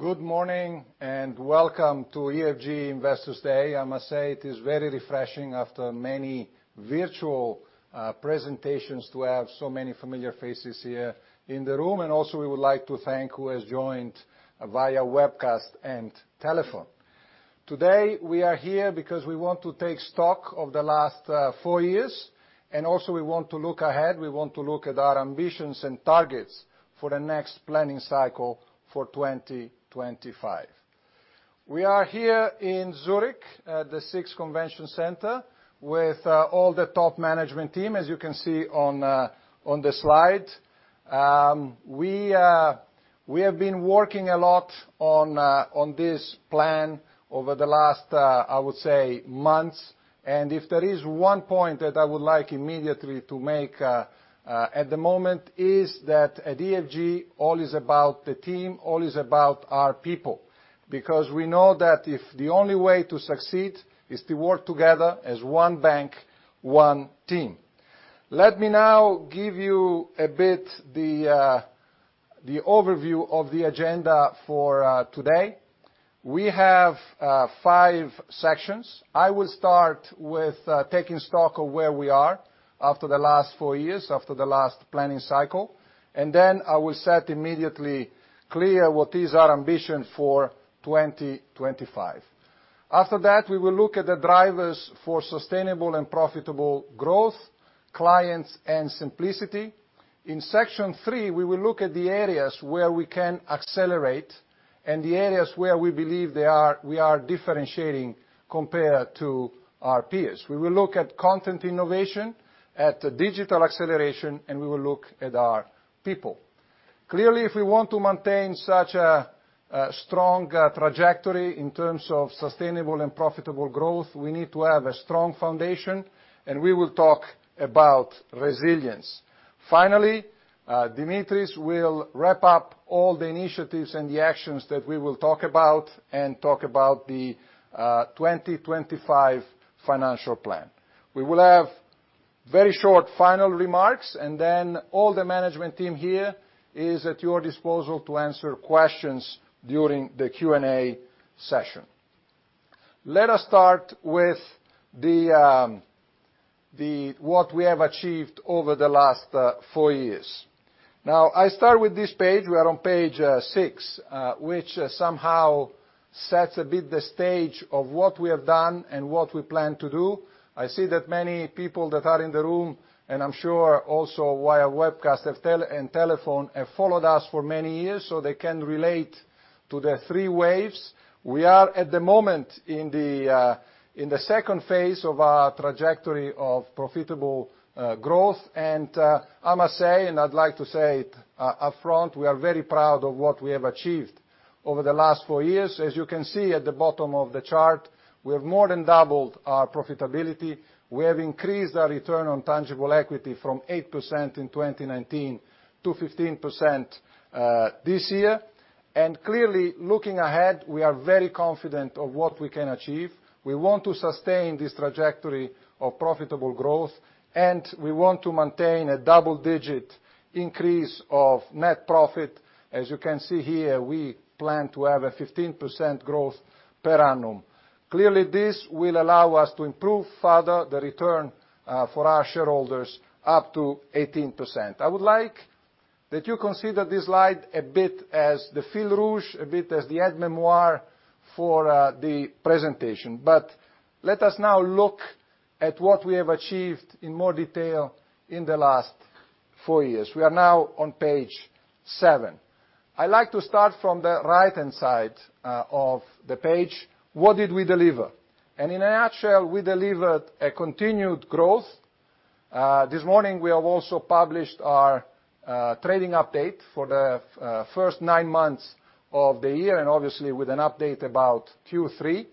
Good morning and welcome to EFG investors day. I must say it is very refreshing after many virtual presentations to have so many familiar faces here in the room. Also we would like to thank those who have joined via webcast and telephone. Today, we are here because we want to take stock of the last four years, and also we want to look ahead, we want to look at our ambitions and targets for the next planning cycle for 2025. We are here in Zurich at the SIX Convention Centre with all the top management team, as you can see on the slide. We have been working a lot on this plan over the last, I would say months. If there is one point that I would like immediately to make, at the moment, is that at EFG, all is about the team, all is about our people, because we know that if the only way to succeed is to work together as one bank, one team. Let me now give you a bit the overview of the agenda for today. We have five sections. I will start with taking stock of where we are after the last four years, after the last planning cycle, and then I will set immediately clear what is our ambition for 2025. After that, we will look at the drivers for sustainable and profitable growth, Clients and Simplicity. In section three, we will look at the areas where we can accelerate and the areas where we believe we are differentiating compared to our peers. We will look at content innovation, at the digital acceleration, and we will look at our people. Clearly, if we want to maintain such a strong trajectory in terms of sustainable and profitable growth, we need to have a strong foundation, and we will talk about resilience. Finally, Dimitris will wrap up all the initiatives and the actions that we will talk about and talk about the 2025 financial plan. We will have very short final remarks, and then all the management team here is at your disposal to answer questions during the Q&A session. Let us start with what we have achieved over the last four years. Now I start with this page, we are on page six, which somehow sets a bit the stage of what we have done and what we plan to do. I see that many people that are in the room, and I'm sure also via webcast or and telephone, have followed us for many years, so they can relate to the three waves. We are at the moment in the second phase of our trajectory of profitable growth. I must say, and I'd like to say it upfront, we are very proud of what we have achieved over the last four years. As you can see at the bottom of the chart, we have more than doubled our profitability. We have increased our return on tangible equity from 8% in 2019 to 15% this year. Clearly, looking ahead, we are very confident of what we can achieve. We want to sustain this trajectory of profitable growth, and we want to maintain a double-digit increase of net profit. As you can see here, we plan to have a 15% growth per annum. Clearly, this will allow us to improve further the return for our shareholders up to 18%. I would like that you consider this slide a bit as the fil rouge, a bit as the aide-mémoire for the presentation. Let us now look at what we have achieved in more detail in the last four years. We are now on page seven. I like to start from the right-hand side of the page. What did we deliver? In a nutshell, we delivered a continued growth. This morning, we have also published our trading update for the first nine months of the year, and obviously with an update about Q3.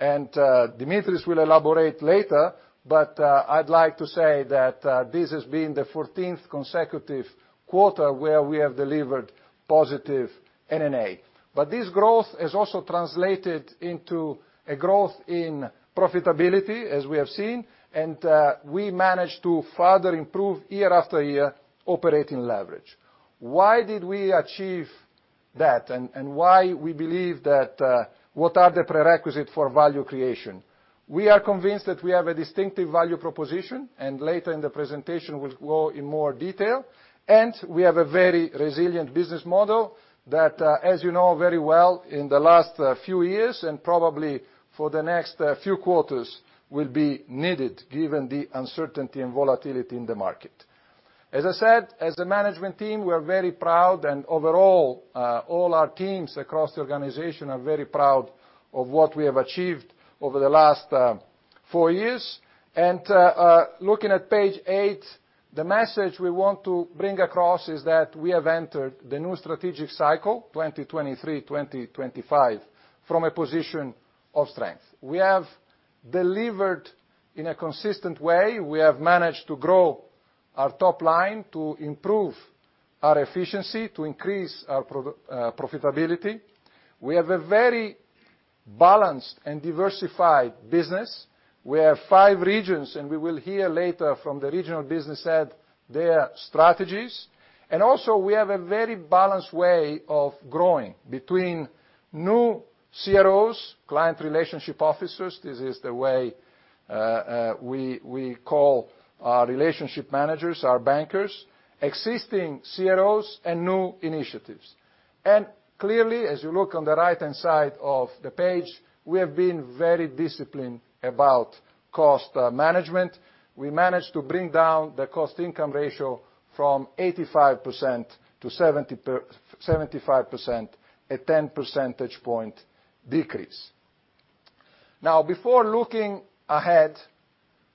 Dimitris will elaborate later, but I'd like to say that this has been the fourteenth consecutive quarter where we have delivered positive NNA. This growth has also translated into a growth in profitability, as we have seen, and we managed to further improve year after year operating leverage. Why did we achieve that? Why we believe that what are the prerequisite for value creation? We are convinced that we have a distinctive value proposition, and later in the presentation, we'll go in more detail. We have a very resilient business model that, as you know very well in the last few years, and probably for the next few quarters, will be needed given the uncertainty and volatility in the market. As I said, as a management team, we're very proud and overall, all our teams across the organization are very proud of what we have achieved over the last four years. Looking at page eight, the message we want to bring across is that we have entered the new strategic cycle, 2023-2025, from a position of strength. We have delivered in a consistent way. We have managed to grow our top line, to improve our efficiency, to increase our profitability. We have a very balanced and diversified business. We have five regions, and we will hear later from the regional business head, their strategies. We have a very balanced way of growing between new CROs, client relationship officers, this is the way we call our relationship managers, our bankers. Existing CROs and new initiatives. Clearly, as you look on the right-hand side of the page, we have been very disciplined about cost management. We managed to bring down the cost/income ratio from 85% to 75%, a ten percentage point decrease. Now, before looking ahead,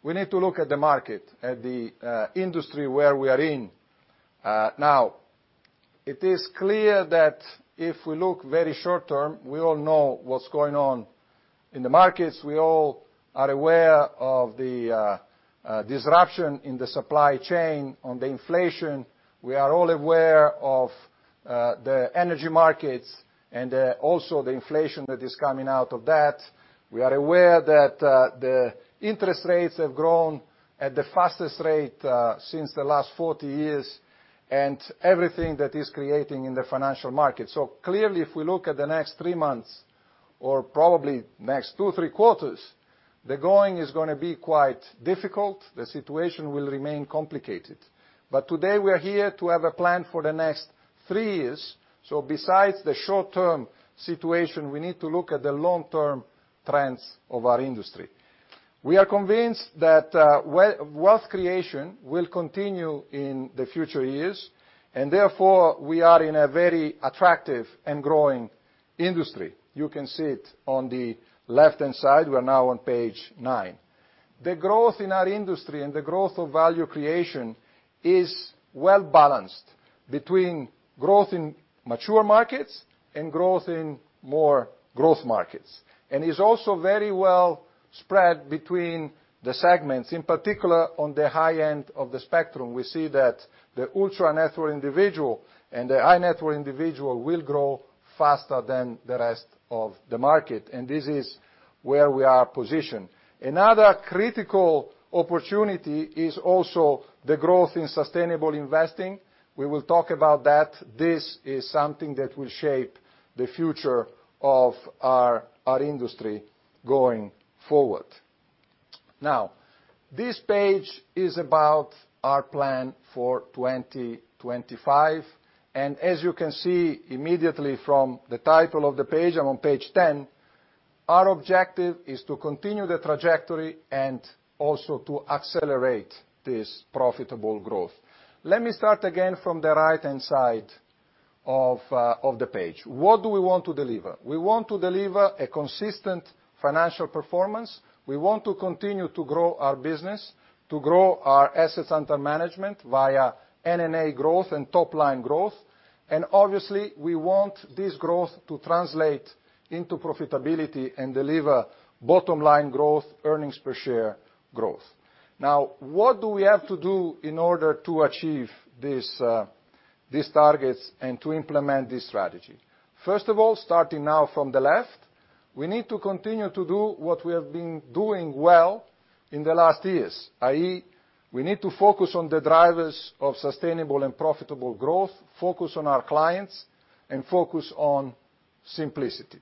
we need to look at the market, at the industry where we are in. Now, it is clear that if we look very short term, we all know what's going on in the markets. We all are aware of the disruption in the supply chain and the inflation. We are all aware of the energy markets and also the inflation that is coming out of that. We are aware that the interest rates have grown at the fastest rate since the last 40 years, and everything that is creating in the financial market. Clearly, if we look at the next three months, or probably next two, three quarters, the going is gonna be quite difficult. The situation will remain complicated. Today, we are here to have a plan for the next three years. Besides the short term situation, we need to look at the long-term trends of our industry. We are convinced that wealth creation will continue in the future years, and therefore, we are in a very attractive and growing industry. You can see it on the left-hand side. We are now on page nine. The growth in our industry and the growth of value creation is well balanced between growth in mature markets and growth in more growth markets. Is also very well spread between the segments, in particular, on the high end of the spectrum. We see that the ultra net worth individual and the high net worth individual will grow faster than the rest of the market, and this is where we are positioned. Another critical opportunity is also the growth in sustainable investing. We will talk about that. This is something that will shape the future of our industry going forward. Now, this page is about our plan for 2025, and as you can see immediately from the title of the page, I'm on page 10, our objective is to continue the trajectory and also to accelerate this profitable growth. Let me start again from the right-hand side of the page. What do we want to deliver? We want to deliver a consistent financial performance. We want to continue to grow our business, to grow our assets under management via NNA growth and top line growth. Obviously, we want this growth to translate into profitability and deliver bottom line growth, earnings per share growth. Now, what do we have to do in order to achieve these targets and to implement this strategy? First of all, starting now from the left, we need to continue to do what we have been doing well in the last years, i.e., we need to focus on the drivers of sustainable and profitable growth, focus on our clients, and focus on simplicity.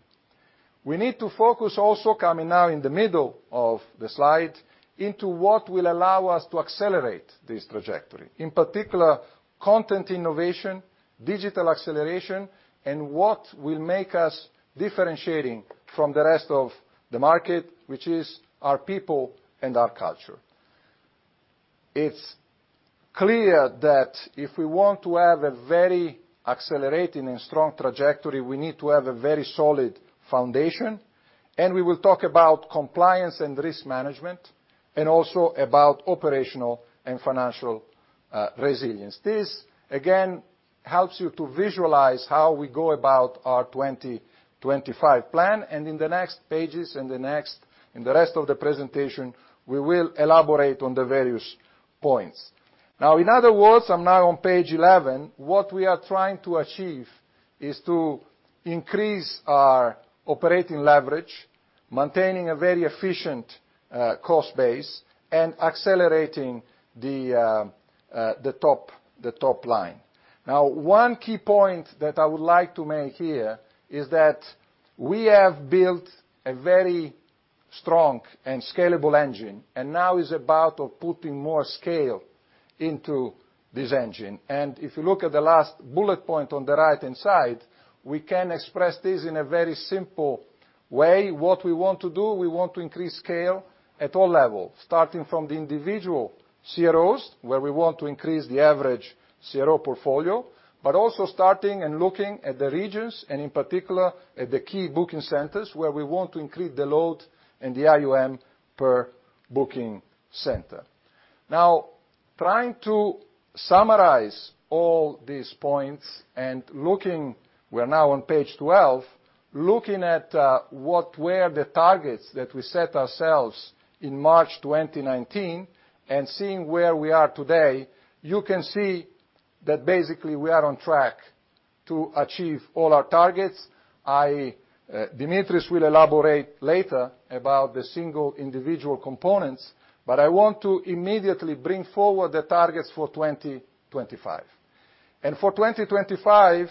We need to focus also, coming now in the middle of the slide, into what will allow us to accelerate this trajectory. In particular, content innovation, digital acceleration, and what will make us differentiating from the rest of the market, which is our people and our culture. It's clear that if we want to have a very accelerating and strong trajectory, we need to have a very solid foundation, and we will talk about compliance and risk management, and also about operational and financial resilience. This, again, helps you to visualize how we go about our 2025 plan, and in the next pages, in the rest of the presentation, we will elaborate on the various points. In other words, I'm now on page eleven. What we are trying to achieve is to increase our operating leverage, maintaining a very efficient cost base, and accelerating the top line. One key point that I would like to make here is that we have built a very strong and scalable engine, and now it's about putting more scale into this engine. If you look at the last bullet point on the right-hand side, we can express this in a very simple way. What we want to do, we want to increase scale at all level, starting from the individual CROs, where we want to increase the average CRO portfolio, but also starting and looking at the regions, and in particular, at the key booking centers, where we want to increase the load and the AUM per booking center. Now, trying to summarize all these points and looking, we're now on page 12, looking at what were the targets that we set ourselves in March 2019, and seeing where we are today, you can see that basically we are on track to achieve all our targets. I, Dimitris will elaborate later about the single individual components, but I want to immediately bring forward the targets for 2025. For 2025,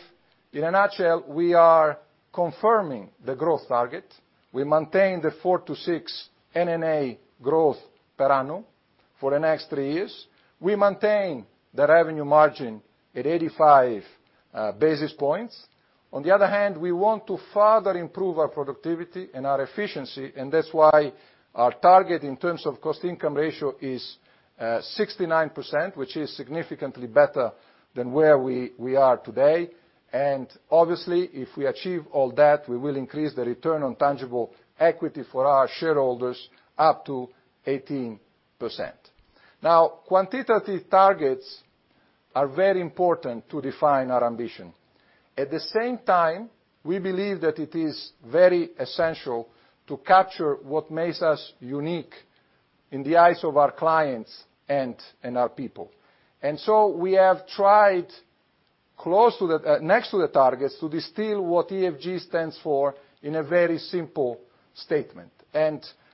in a nutshell, we are confirming the growth target. We maintain the 4%-6% NNA growth per annum for the next three years. We maintain the revenue margin at 85 basis points. On the other hand, we want to further improve our productivity and our efficiency, and that's why our target in terms of cost-income ratio is 69%, which is significantly better than where we are today. Obviously, if we achieve all that, we will increase the return on tangible equity for our shareholders up to 18%. Quantitative targets are very important to define our ambition. At the same time, we believe that it is very essential to capture what makes us unique in the eyes of our clients and our people. We have tried next to the targets to distill what EFG stands for in a very simple statement.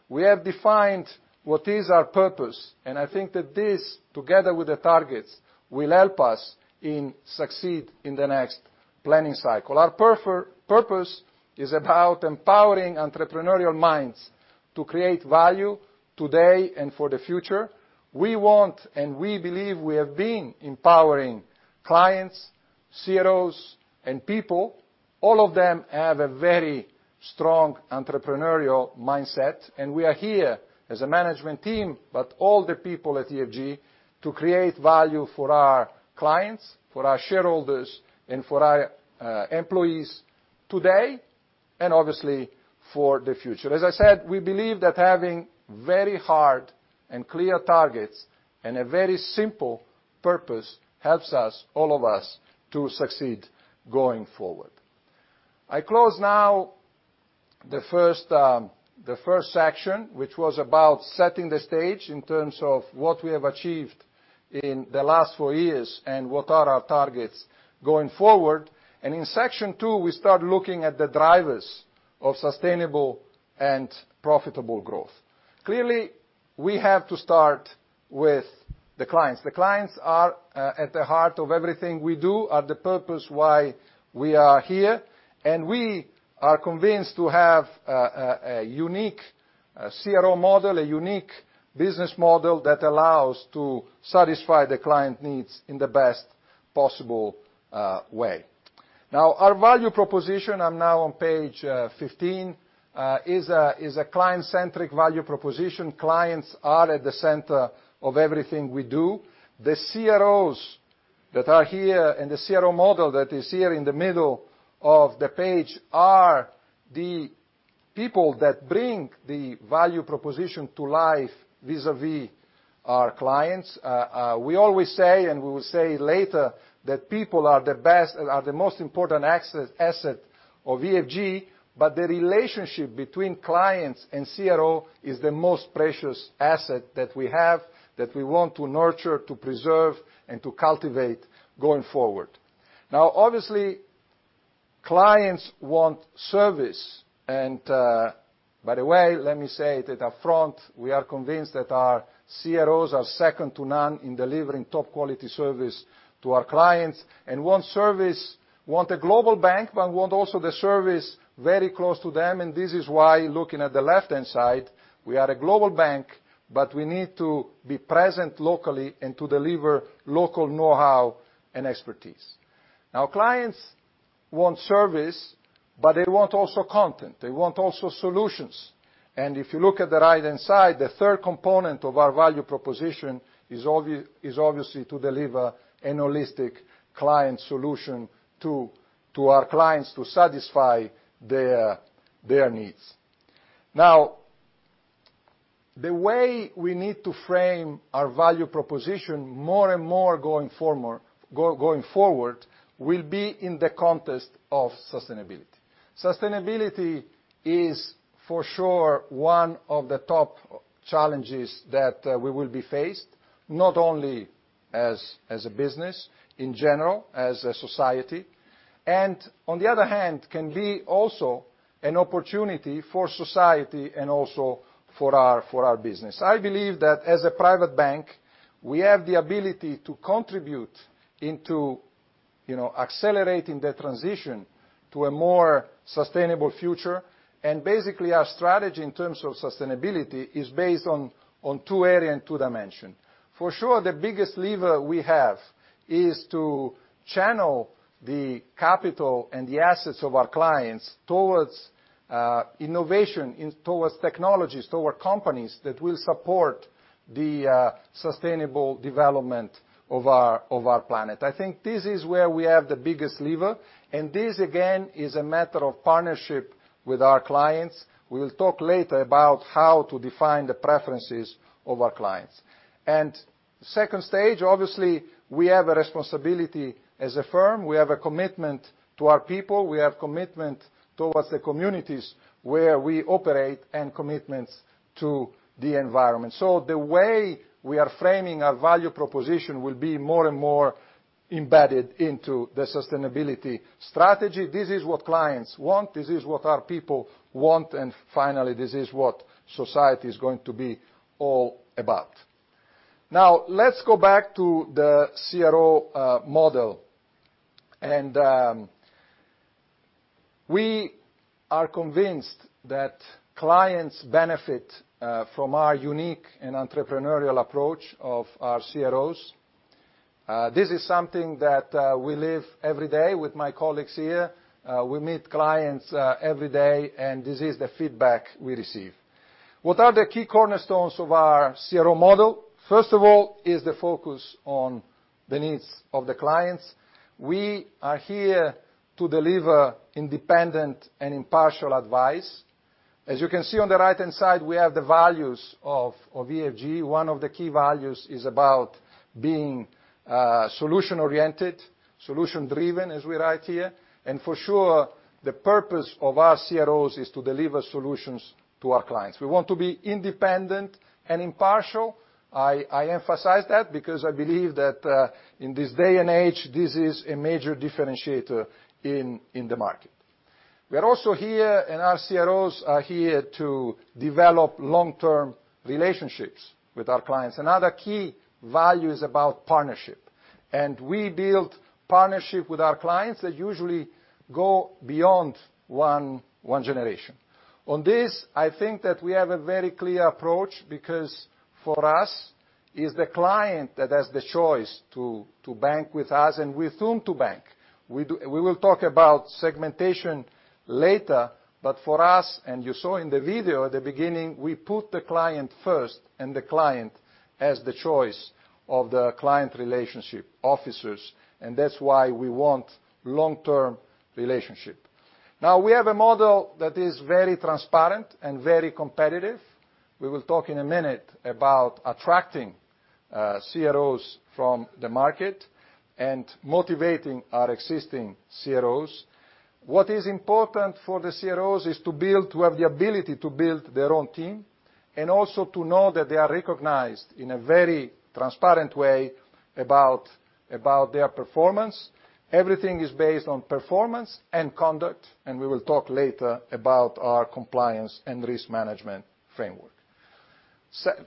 We have defined what is our purpose, and I think that this, together with the targets, will help us to succeed in the next planning cycle. Our purpose is about empowering entrepreneurial minds to create value today and for the future. We want, and we believe we have been empowering clients, CROs, and people. All of them have a very strong entrepreneurial mindset, and we are here as a management team, but all the people at EFG, to create value for our clients, for our shareholders, and for our employees today, and obviously for the future. As I said, we believe that having very hard and clear targets and a very simple purpose helps us, all of us, to succeed going forward. I close now the first section, which was about setting the stage in terms of what we have achieved in the last four years and what are our targets going forward. In section two, we start looking at the drivers of sustainable and profitable growth. Clearly, we have to start with the clients. The clients are at the heart of everything we do, are the purpose why we are here, and we are convinced to have a unique CRO model, a unique business model that allows to satisfy the client needs in the best possible way. Now, our value proposition, I'm now on page 15, is a client-centric value proposition. Clients are at the center of everything we do. The CROs that are here, and the CRO model that is here in the middle of the page, are the people that bring the value proposition to life vis-à-vis our clients. We always say, and we will say later, that people are the most important asset of EFG, but the relationship between clients and CRO is the most precious asset that we have, that we want to nurture, to preserve, and to cultivate going forward. Now, obviously, clients want service and, by the way, let me say that upfront, we are convinced that our CROs are second to none in delivering top quality service to our clients. Want service, want a global bank, but want also the service very close to them, and this is why looking at the left-hand side, we are a global bank, but we need to be present locally and to deliver local know-how and expertise. Now, clients want service, but they want also content. They want also solutions. If you look at the right-hand side, the third component of our value proposition is obviously to deliver a holistic client solution to our clients to satisfy their needs. Now, the way we need to frame our value proposition more and more going forward will be in the context of sustainability. Sustainability is for sure one of the top challenges that we will be faced, not only as a business, in general, as a society, and on the other hand, can be also an opportunity for society and also for our business. I believe that as a private bank, we have the ability to contribute to, you know, accelerating the transition to a more sustainable future. Basically, our strategy in terms of sustainability is based on two areas and two dimensions. For sure, the biggest lever we have is to channel the capital and the assets of our clients towards innovation, towards technologies, toward companies that will support the sustainable development of our planet. I think this is where we have the biggest lever, and this again is a matter of partnership with our clients. We will talk later about how to define the preferences of our clients. Second stage, obviously, we have a responsibility as a firm. We have a commitment to our people. We have commitment towards the communities where we operate and commitments to the environment. The way we are framing our value proposition will be more and more embedded into the sustainability strategy. This is what clients want, this is what our people want, and finally, this is what society is going to be all about. Now, let's go back to the CRO model. We are convinced that clients benefit from our unique and entrepreneurial approach of our CROs. This is something that we live every day with my colleagues here. We meet clients every day, and this is the feedback we receive. What are the key cornerstones of our CRO model? First of all is the focus on the needs of the clients. We are here to deliver independent and impartial advice. As you can see on the right-hand side, we have the values of EFG. One of the key values is about being solution-oriented, solution-driven, as we write here. For sure, the purpose of our CROs is to deliver solutions to our clients. We want to be independent and impartial. I emphasize that because I believe that, in this day and age, this is a major differentiator in the market. We are also here, and our CROs are here to develop long-term relationships with our clients. Another key value is about partnership. We build partnership with our clients that usually go beyond one generation. On this, I think that we have a very clear approach, because for us, it's the client that has the choice to bank with us, and with whom to bank. We will talk about segmentation later. For us, and you saw in the video at the beginning, we put the client first, and the client has the choice of the client relationship officers, and that's why we want long-term relationship. Now, we have a model that is very transparent and very competitive. We will talk in a minute about attracting CROs from the market and motivating our existing CROs. What is important for the CROs is to build, to have the ability to build their own team, and also to know that they are recognized in a very transparent way about their performance. Everything is based on performance and conduct, and we will talk later about our compliance and risk management framework.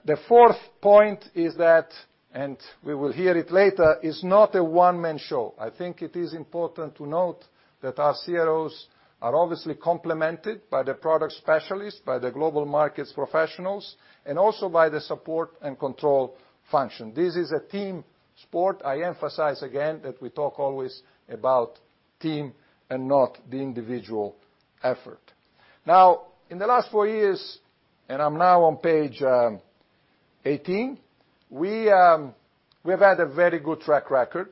The fourth point is that, and we will hear it later, is not a one-man show. I think it is important to note that our CROs are obviously complemented by the product specialists, by the global markets professionals, and also by the support and control function. This is a team sport. I emphasize again that we talk always about team and not the individual effort. Now, in the last four years, and I'm now on page 18, we've had a very good track record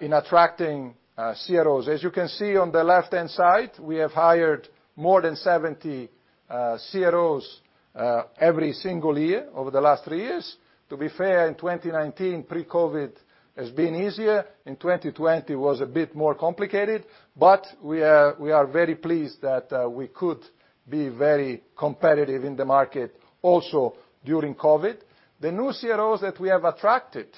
in attracting CROs. As you can see on the left-hand side, we have hired more than 70 CROs every single year over the last three years. To be fair, in 2019, pre-COVID has been easier. In 2020 was a bit more complicated, but we are very pleased that we could be very competitive in the market also during COVID. The new CROs that we have attracted,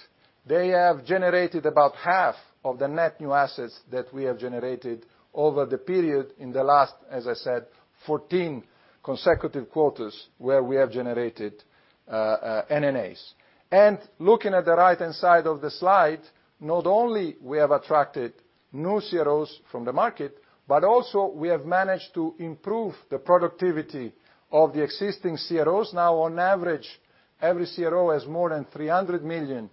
they have generated about half of the net new assets that we have generated over the period in the last, as I said, 14 consecutive quarters where we have generated NNAs. Looking at the right-hand side of the slide, not only we have attracted new CROs from the market, but also we have managed to improve the productivity of the existing CROs. Now, on average, every CRO has more than 300 million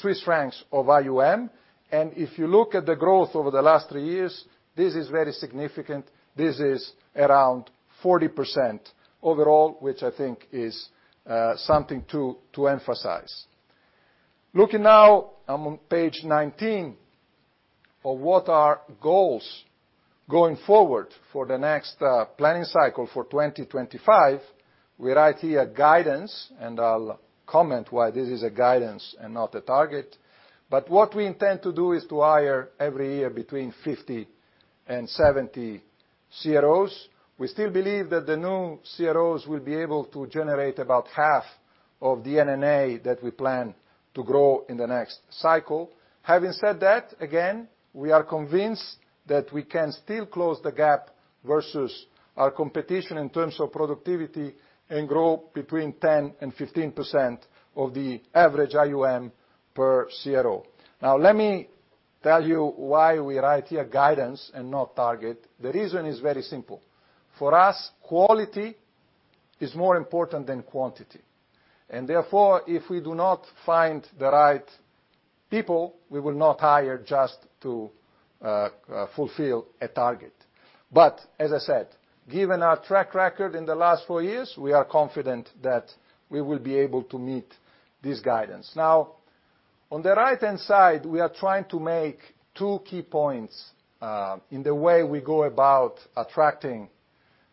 Swiss francs of AUM. If you look at the growth over the last three years, this is very significant. This is around 40% overall, which I think is something to emphasize. Looking now, I'm on page 19 of what our goals going forward for the next planning cycle for 2025. We write here guidance, and I'll comment why this is a guidance and not a target. What we intend to do is to hire every year between 50 and 70 CROs. We still believe that the new CROs will be able to generate about half of the NNA that we plan to grow in the next cycle. Having said that, again, we are convinced that we can still close the gap versus our competition in terms of productivity and grow between 10% and 15% of the average AUM per CRO. Now let me tell you why we write here guidance and not target. The reason is very simple. For us, quality is more important than quantity. Therefore, if we do not find the right people, we will not hire just to fulfill a target. As I said, given our track record in the last four years, we are confident that we will be able to meet this guidance. Now, on the right-hand side, we are trying to make two key points in the way we go about attracting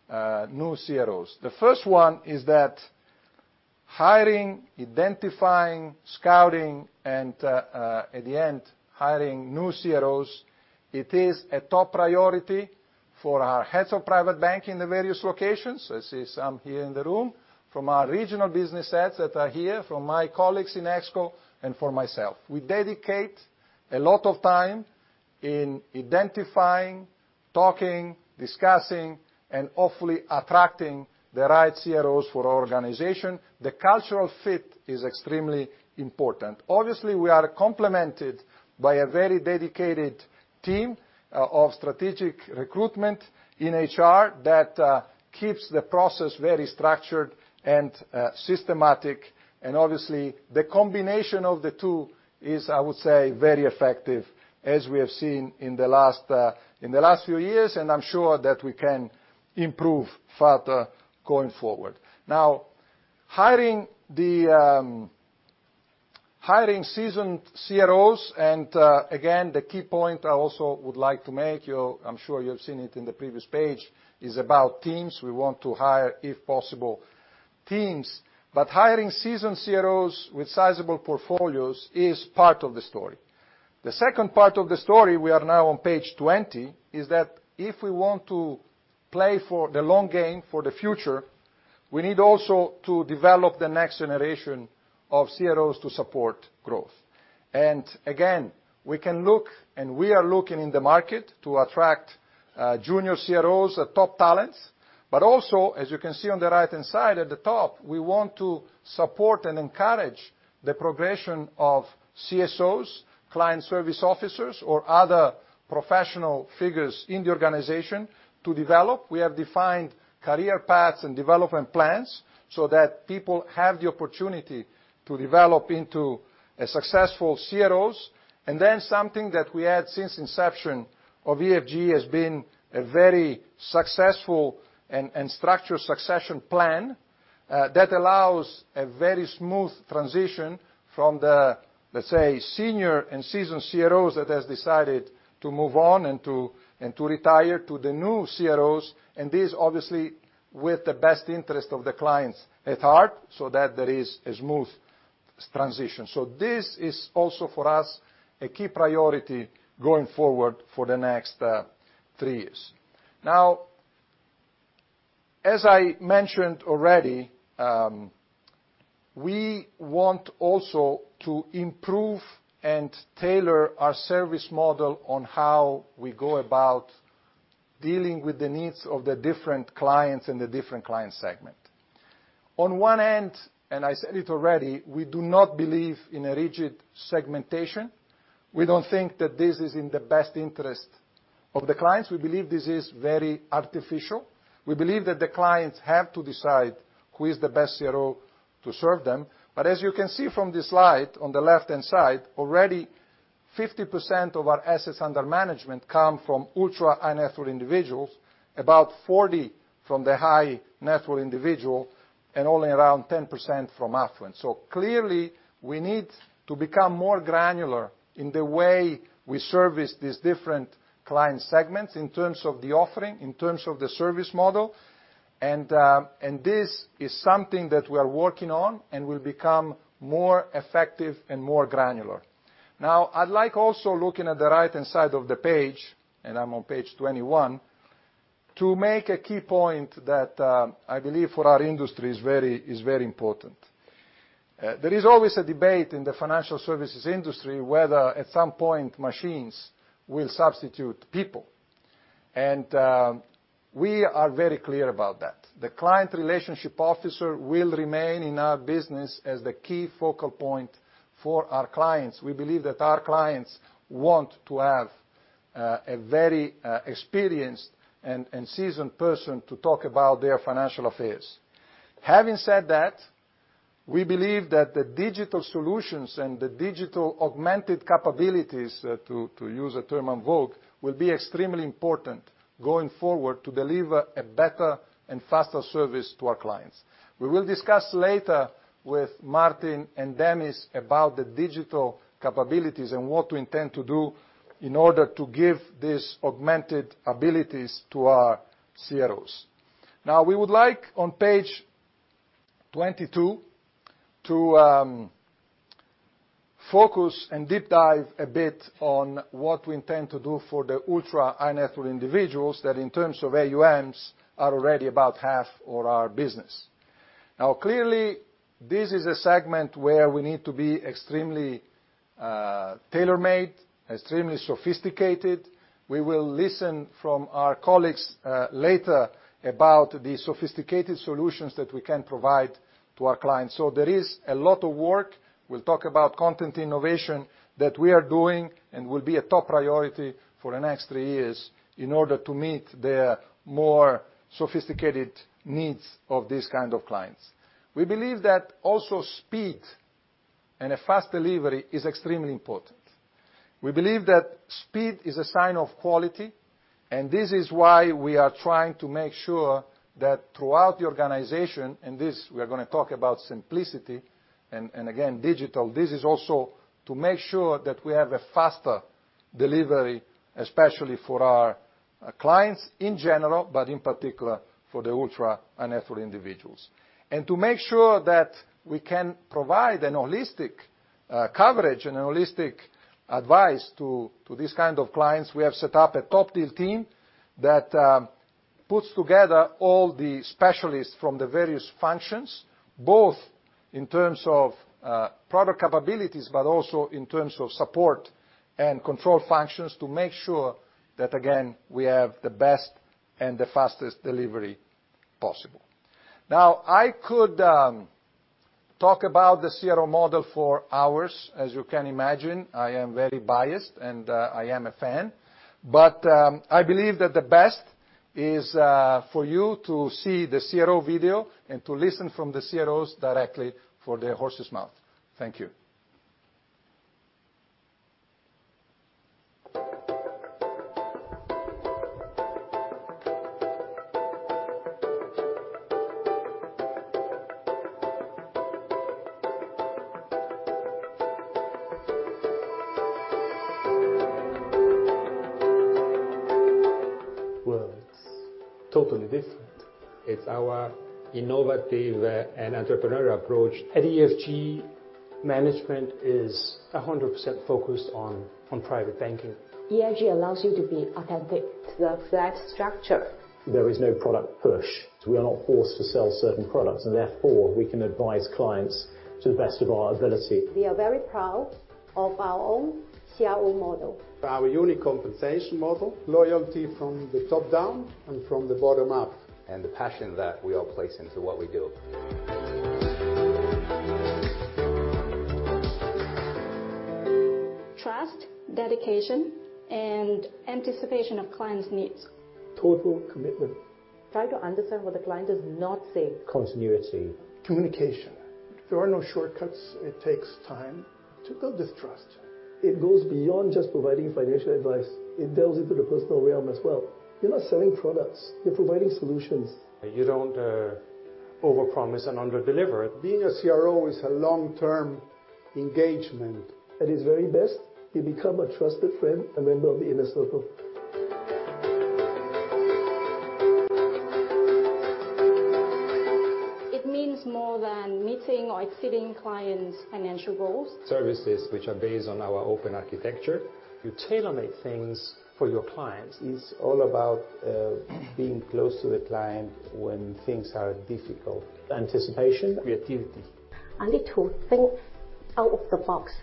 new CROs. The first one is that hiring, identifying, scouting, and at the end, hiring new CROs, it is a top priority for our heads of private bank in the various locations. I see some here in the room, from our regional business heads that are here, from my colleagues in ExCo, and for myself. We dedicate a lot of time in identifying, talking, discussing, and hopefully attracting the right CROs for our organization. The cultural fit is extremely important. Obviously, we are complemented by a very dedicated team of strategic recruitment in HR that keeps the process very structured and systematic. Obviously, the combination of the two is, I would say, very effective, as we have seen in the last few years, and I'm sure that we can improve further going forward. Now, hiring seasoned CROs, again, the key point I also would like to make you, I'm sure you've seen it in the previous page, is about teams. We want to hire, if possible, teams. Hiring seasoned CROs with sizable portfolios is part of the story. The second part of the story, we are now on page 20, is that if we want to play for the long game for the future, we need also to develop the next generation of CROs to support growth. Again, we can look, and we are looking in the market to attract junior CROs, top talents. Also, as you can see on the right-hand side at the top, we want to support and encourage the progression of CSOs, client service officers, or other professional figures in the organization to develop. We have defined career paths and development plans so that people have the opportunity to develop into a successful CROs. Then something that we had since inception of EFG has been a very successful and structured succession plan that allows a very smooth transition from the, let's say, senior and seasoned CROs that has decided to move on and to retire to the new CROs. This obviously with the best interest of the clients at heart so that there is a smooth transition. This is also for us a key priority going forward for the next three years. Now, as I mentioned already, we want also to improve and tailor our service model on how we go about dealing with the needs of the different clients and the different client segment. On one end, and I said it already, we do not believe in a rigid segmentation. We don't think that this is in the best interest of the clients. We believe this is very artificial. We believe that the clients have to decide who is the best CRO to serve them. But as you can see from this slide on the left-hand side, already 50% of our assets under management come from ultra-high-net-worth individuals, about 40% from the high-net-worth individual, and only around 10% from affluent. Clearly, we need to become more granular in the way we service these different client segments in terms of the offering, in terms of the service model. This is something that we are working on and will become more effective and more granular. Now, I'd like also looking at the right-hand side of the page, and I'm on page 21, to make a key point that, I believe for our industry is very important. There is always a debate in the financial services industry whether at some point machines will substitute people. We are very clear about that. The client relationship officer will remain in our business as the key focal point for our clients. We believe that our clients want to have a very experienced and seasoned person to talk about their financial affairs. Having said that, we believe that the digital solutions and the digital augmented capabilities will be extremely important going forward to deliver a better and faster service to our clients. We will discuss later with Martin and Dimitris about the digital capabilities and what we intend to do in order to give these augmented abilities to our CROs. Now, we would like on page 22 to focus and deep dive a bit on what we intend to do for the ultra-high-net-worth individuals that in terms of AUMs are already about half of our business. Now, clearly, this is a segment where we need to be extremely tailor-made, extremely sophisticated. We will listen from our colleagues later about the sophisticated solutions that we can provide to our clients. There is a lot of work. We'll talk about content innovation that we are doing and will be a top priority for the next three years in order to meet the more sophisticated needs of these kind of clients. We believe that also speed and a fast delivery is extremely important. We believe that speed is a sign of quality, and this is why we are trying to make sure that throughout the organization, and this we're gonna talk about Simplicity and again digital. This is also to make sure that we have a faster delivery, especially for our clients in general, but in particular for the ultra-high-net-worth individuals. To make sure that we can provide a holistic coverage and holistic advice to this kind of clients, we have set up a top-deal team that puts together all the specialists from the various functions, both in terms of product capabilities, but also in terms of support and control functions to make sure that again, we have the best and the fastest delivery possible. Now, I could talk about the CRO model for hours. As you can imagine, I am very biased, and I am a fan, but I believe that the best is for you to see the CRO video and to listen from the CROs directly, from the horse's mouth. Thank you. Well, it's totally different. It's our innovative and entrepreneurial approach. At EFG, management is 100% focused on private banking. EFG allows you to be authentic. The flat structure. There is no product push. We are not forced to sell certain products, and therefore, we can advise clients to the best of our ability. We are very proud of our own CRO model. Our unique compensation model. Loyalty from the top down and from the bottom up. The passion that we all place into what we do. Trust, dedication, and anticipation of clients' needs. Total commitment. Try to understand what the client is not saying. Continuity. Communication. There are no shortcuts. It takes time to build this trust. It goes beyond just providing financial advice. It delves into the personal realm as well. You're not selling products. You're providing solutions. You don't overpromise and underdeliver. Being a CRO is a long-term engagement. At its very best, you become a trusted friend, a member of the inner circle. It means more than meeting or exceeding clients' financial goals. Services which are based on our open architecture. You tailor-make things for your clients. It's all about being close to the client when things are difficult. Anticipation. Creativity. I need to think out of the box,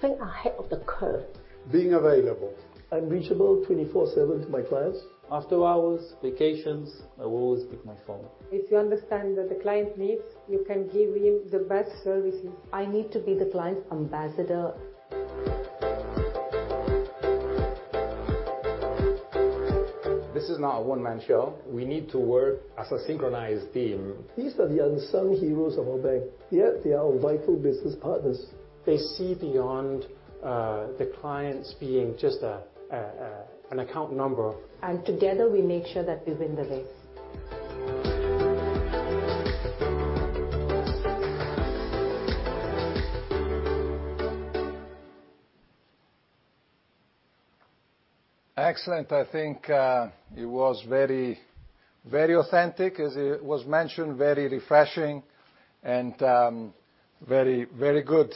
think ahead of the curve. Being available. I'm reachable 24/7 to my clients. After hours, vacations, I will always pick my phone. If you understand what the client needs, you can give him the best services. I need to be the client's ambassador. This is not a one-man show. We need to work as a synchronized team. These are the unsung heroes of our bank, yet they are our vital business partners. They see beyond the clients being just an account number. Together, we make sure that we win the race. Excellent. I think it was very, very authentic, as it was mentioned, very refreshing, and very, very good.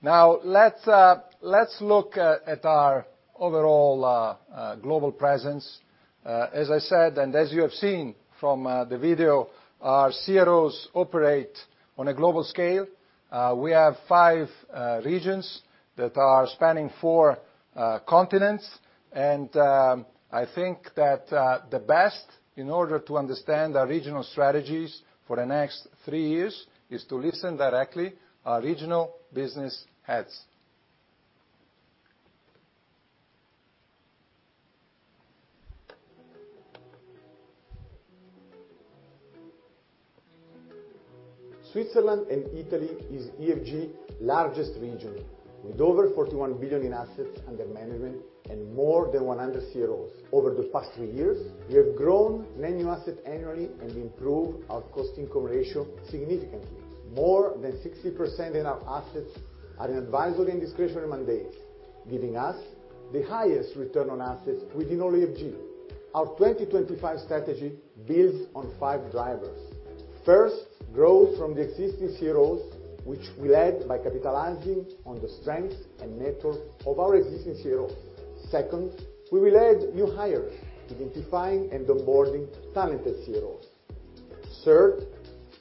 Now, let's look at our overall global presence. As I said, as you have seen from the video, our CROs operate on a global scale. We have five regions that are spanning four continents, and I think that the best in order to understand our regional strategies for the next three years is to listen directly our regional business heads. Switzerland and Italy is EFG's largest region with over 41 billion in assets under management and more than 100 CROs. Over the past three years, we have grown net new assets annually and improved our cost/income ratio significantly. More than 60% of our assets are in advisory and discretionary mandates, giving us the highest return on assets within all EFG. Our 2025 strategy builds on five drivers. First, growth from the existing CROs, which we'll lead by capitalizing on the strengths and network of our existing CROs. Second, we will add new hires, identifying and onboarding talented CROs. Third,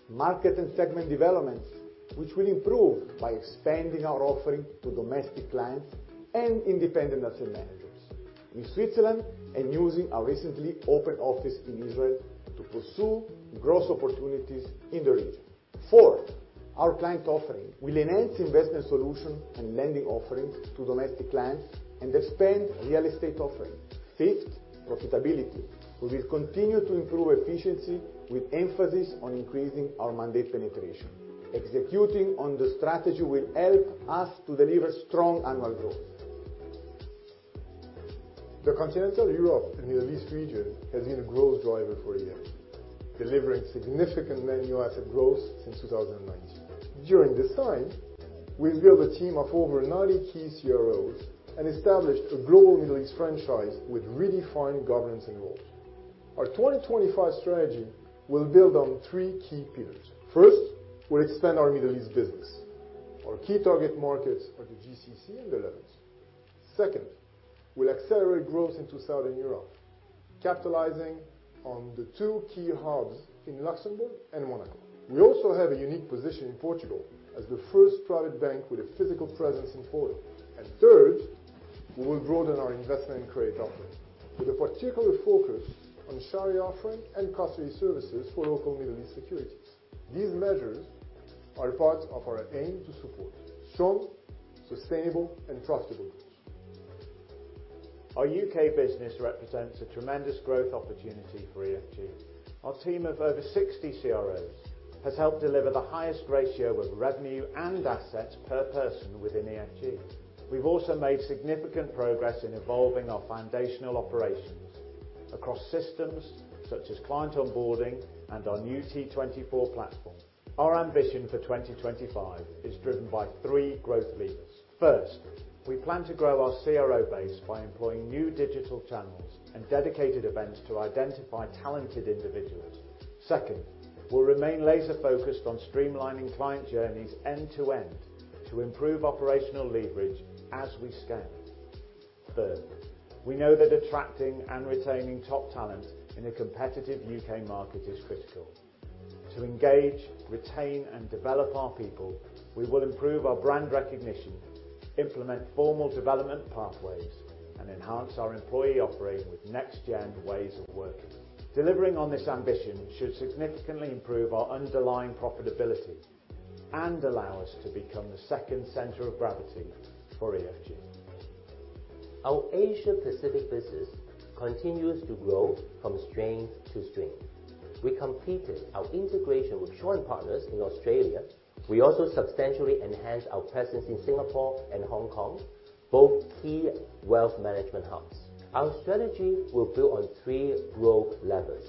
market and segment developments, which we'll improve by expanding our offering to domestic clients and independent asset managers in Switzerland and using our recently opened office in Israel to pursue growth opportunities in the region. Fourth, our client offering. We'll enhance investment solution and lending offerings to domestic clients and expand real estate offering. Fifth, profitability. We will continue to improve efficiency with emphasis on increasing our mandate penetration. Executing on the strategy will help us to deliver strong annual growth. The Continental Europe and Middle East region has been a growth driver for years, delivering significant net new asset growth since 2019. During this time, we've built a team of over 90 key CROs and established a global Middle East franchise with redefined governance and roles. Our 2025 strategy will build on three key pillars. First, we'll expand our Middle East business. Our key target markets are the GCC and the Levant. Second, we'll accelerate growth into Southern Europe, capitalizing on the two key hubs in Luxembourg and Monaco. We also have a unique position in Portugal as the first private bank with a physical presence in Porto. Third, we will broaden our investment and credit offering, with a particular focus on Sharia offering and custody services for local Middle East securities. These measures are part of our aim to support strong, sustainable, and profitable growth. Our UK business represents a tremendous growth opportunity for EFG. Our team of over 60 CROs has helped deliver the highest ratio of revenue and assets per person within EFG. We've also made significant progress in evolving our foundational operations across systems, such as client onboarding and our new T24 platform. Our ambition for 2025 is driven by three growth levers. First, we plan to grow our CRO base by employing new digital channels and dedicated events to identify talented individuals. Second, we'll remain laser-focused on streamlining client journeys end to end to improve operational leverage as we scale. Third, we know that attracting and retaining top talent in a competitive UK market is critical. To engage, retain, and develop our people, we will improve our brand recognition, implement formal development pathways, and enhance our employee offering with next-gen ways of working. Delivering on this ambition should significantly improve our underlying profitability and allow us to become the second center of gravity for EFG. Our Asia-Pacific business continues to grow from strength to strength. We completed our integration with Shaw and Partners in Australia. We also substantially enhanced our presence in Singapore and Hong Kong, both key wealth management hubs. Our strategy will build on three growth levers.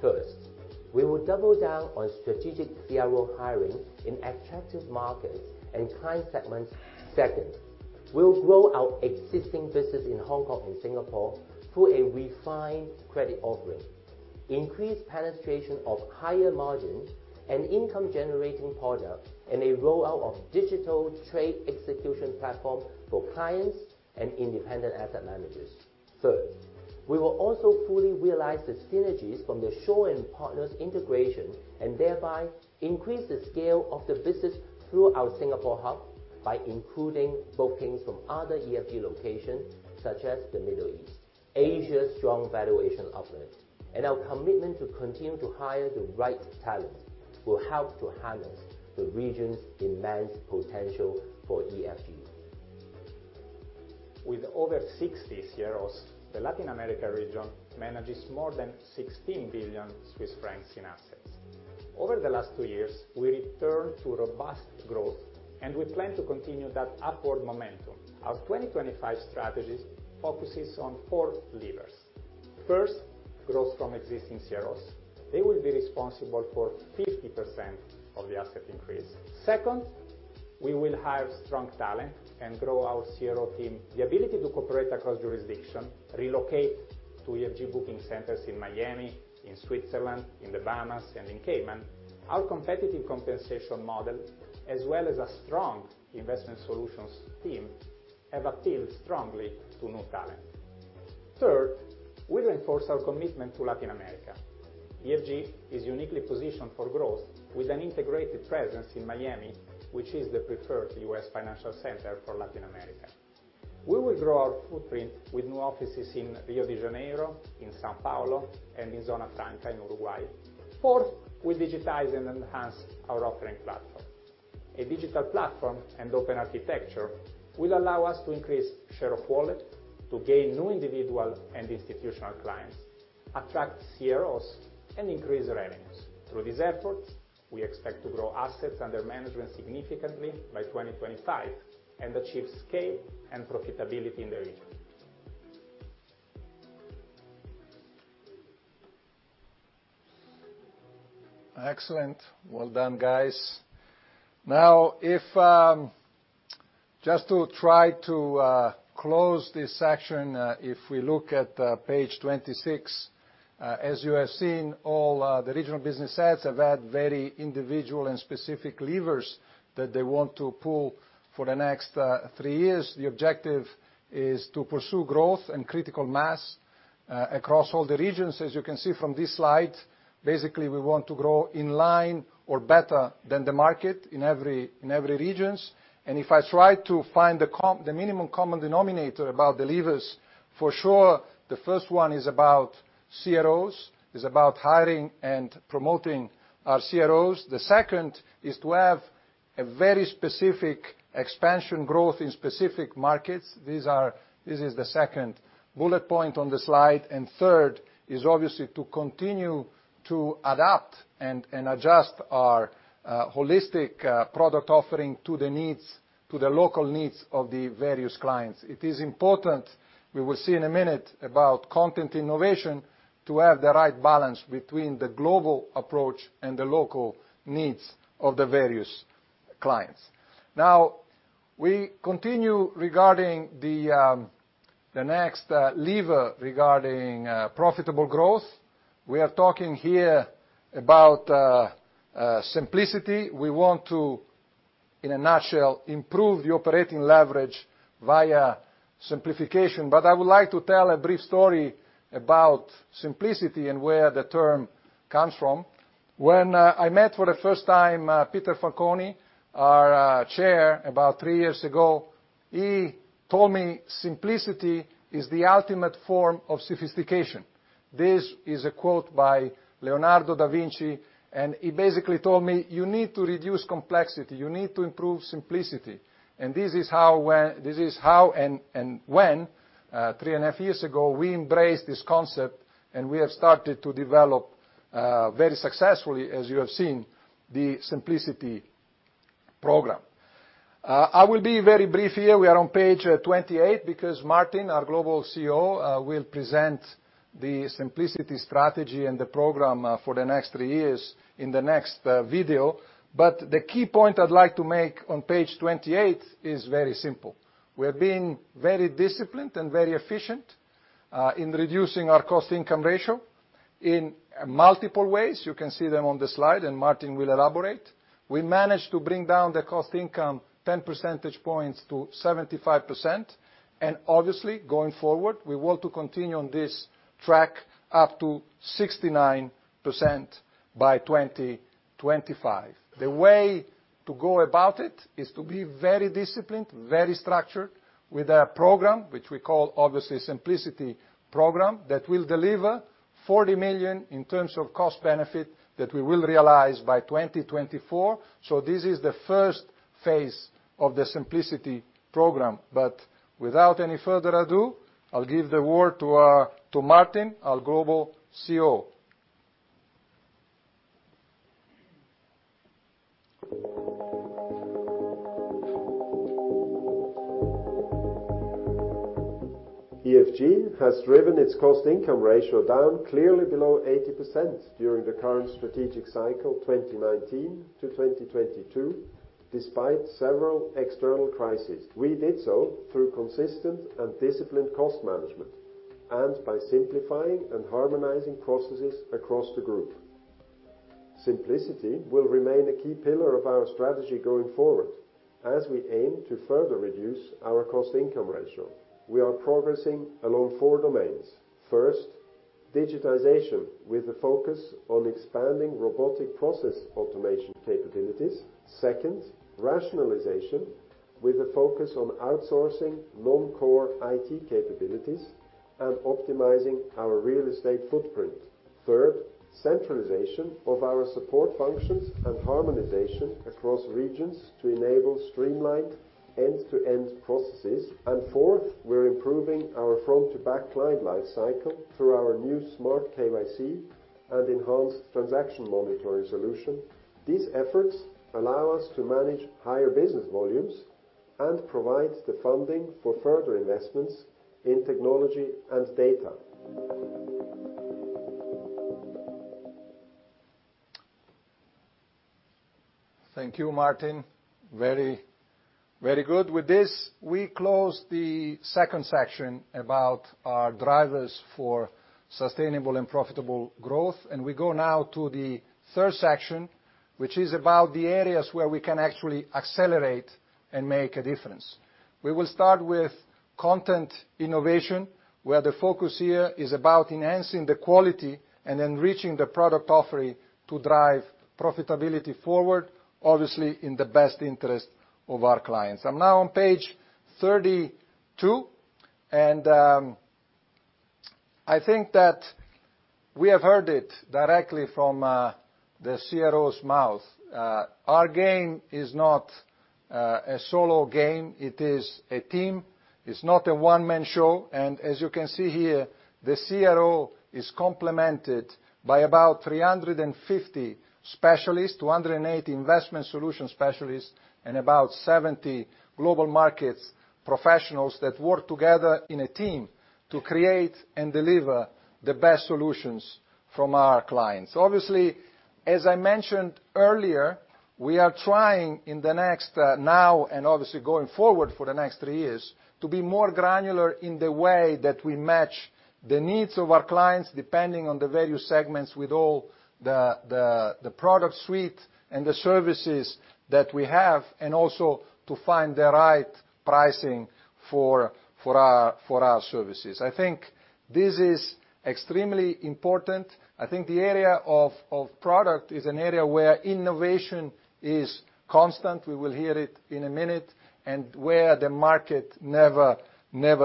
First, we will double down on strategic CRO hiring in attractive markets and client segments. Second, we'll grow our existing business in Hong Kong and Singapore through a refined credit offering, increased penetration of higher margin and income-generating products, and a rollout of digital trade execution platform for clients and independent asset managers. Third, we will also fully realize the synergies from the Shaw and Partners integration, and thereby increase the scale of the business through our Singapore hub by including bookings from other EFG locations, such as the Middle East. Asia's strong valuation offer and our commitment to continue to hire the right talent will help to harness the region's immense potential for EFG. With over 60 CROs, the Latin America region manages more than 16 billion Swiss francs in assets. Over the last two years, we returned to robust growth, and we plan to continue that upward momentum. Our 2025 strategies focuses on four levers. First, growth from existing CROs. They will be responsible for 50% of the asset increase. Second, we will hire strong talent and grow our CRO team. The ability to cooperate across jurisdiction, relocate to EFG booking centers in Miami, in Switzerland, in the Bahamas, and in Cayman. Our competitive compensation model, as well as a strong investment solutions team, have appealed strongly to new talent. Third, we reinforce our commitment to Latin America. EFG is uniquely positioned for growth with an integrated presence in Miami, which is the preferred U.S. financial center for Latin America. We will grow our footprint with new offices in Rio de Janeiro, in São Paulo, and in Zona Franca in Uruguay. Fourth, we digitize and enhance our offering platform. A digital platform and open architecture will allow us to increase share of wallet, to gain new individual and institutional clients, attract CROs, and increase revenues. Through these efforts, we expect to grow assets under management significantly by 2025 and achieve scale and profitability in the region. Excellent. Well done, guys. Now, just to try to close this section, if we look at page 26, as you have seen, all the regional business heads have had very individual and specific levers that they want to pull for the next three years. The objective is to pursue growth and critical mass across all the regions. As you can see from this slide, basically, we want to grow in line or better than the market in every region. If I try to find the minimum common denominator about the levers, for sure, the first one is about CROs, hiring and promoting our CROs. The second is to have a very specific expansion growth in specific markets. This is the second bullet point on the slide. Third is obviously to continue to adapt and adjust our holistic product offering to the needs, to the local needs of the various clients. It is important, we will see in a minute about content innovation, to have the right balance between the global approach and the local needs of the various clients. Now we continue regarding the next lever regarding profitable growth. We are talking here about simplicity. We want to, in a nutshell, improve the operating leverage via simplification. But I would like to tell a brief story about simplicity and where the term comes from. When I met for the first time Peter Fanconi, our Chair, about three years ago, he told me simplicity is the ultimate form of sophistication. This is a quote by Leonardo da Vinci, and he basically told me, "You need to reduce complexity. You need to improve simplicity." This is how, when three and a half years ago, we embraced this concept, and we have started to develop very successfully, as you have seen, the Simplicity program. I will be very brief here. We are on page 28, because Martin, our global COO, will present the Simplicity strategy and the program for the next three years in the next video. The key point I'd like to make on page 28 is very simple. We are being very disciplined and very efficient in reducing our cost/income ratio in multiple ways. You can see them on the slide, and Martin will elaborate. We managed to bring down the cost/income 10 percentage points to 75%, and obviously, going forward, we want to continue on this track up to 69% by 2025. The way to go about it is to be very disciplined, very structured with a program which we call obviously Simplicity Program, that will deliver 40 million in terms of cost benefit that we will realize by 2024. This is the first phase of the Simplicity Program, but without any further ado, I'll give the word to Martin, our global COO. EFG has driven its cost/income ratio down clearly below 80% during the current strategic cycle, 2019 to 2022, despite several external crises. We did so through consistent and disciplined cost management and by simplifying and harmonizing processes across the group. Simplicity will remain a key pillar of our strategy going forward, as we aim to further reduce our cost-income ratio. We are progressing along four domains. First, digitization, with a focus on expanding robotic process automation capabilities. Second, rationalization, with a focus on outsourcing non-core IT capabilities and optimizing our real estate footprint. Third, centralization of our support functions and harmonization across regions to enable streamlined end-to-end processes. Fourth, we're improving our front to back client life cycle through our new smartKYC and enhanced transaction monitoring solution. These efforts allow us to manage higher business volumes and provide the funding for further investments in technology and data. Thank you, Martin. Very, very good. With this, we close the second section about our drivers for sustainable and profitable growth, and we go now to the third section, which is about the areas where we can actually accelerate and make a difference. We will start with content innovation, where the focus here is about enhancing the quality and then reaching the product offering to drive profitability forward, obviously in the best interest of our clients. I'm now on page 32, and I think that we have heard it directly from the CROs mouth. Our game is not a solo game, it is a team. It's not a one-man show. As you can see here, the CRO is complemented by about 350 specialists, 280 investment solutions specialists, and about 70 global markets professionals that work together in a team to create and deliver the best solutions from our clients. Obviously, as I mentioned earlier, we are trying now and obviously going forward for the next three years, to be more granular in the way that we match the needs of our clients, depending on the value segments with all the product suite and the services that we have, and also to find the right pricing for our services. I think this is extremely important. I think the area of product is an area where innovation is constant, we will hear it in a minute, and where the market never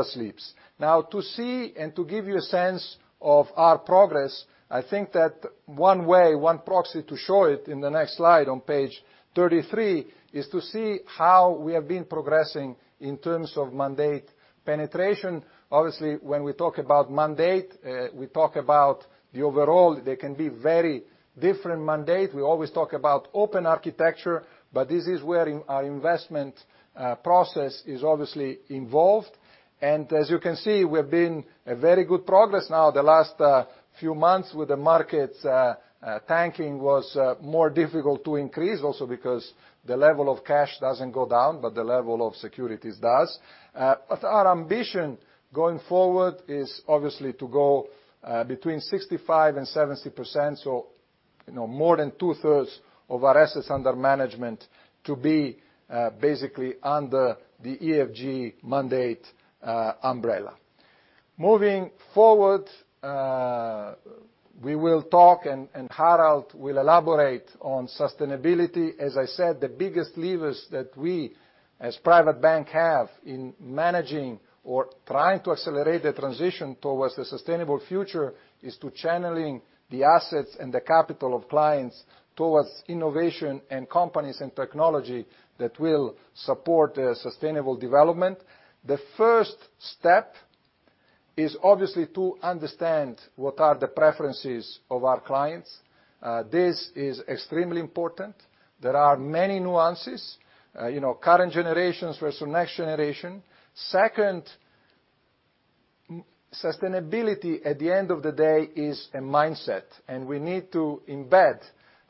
sleeps. Now, to see and to give you a sense of our progress, I think that one way, one proxy to show it in the next slide on page 33, is to see how we have been progressing in terms of mandate penetration. Obviously, when we talk about mandate, we talk about the overall. They can be very different mandate. We always talk about open architecture, but this is where our investment process is obviously involved. As you can see, we have made very good progress. Now, the last few months with the markets tanking was more difficult to increase, also because the level of cash doesn't go down, but the level of securities does. But our ambition going forward is obviously to go between 65% and 70%. You know, more than two-thirds of our assets under management to be basically under the EFG mandate umbrella. Moving forward, we will talk and Harald will elaborate on sustainability. As I said, the biggest levers that we as private bank have in managing or trying to accelerate the transition towards a sustainable future is to channeling the assets and the capital of clients towards innovation and companies and technology that will support a sustainable development. The first step is obviously to understand what are the preferences of our clients. This is extremely important. There are many nuances. You know, current generations versus next generation. Second, sustainability at the end of the day is a mindset, and we need to embed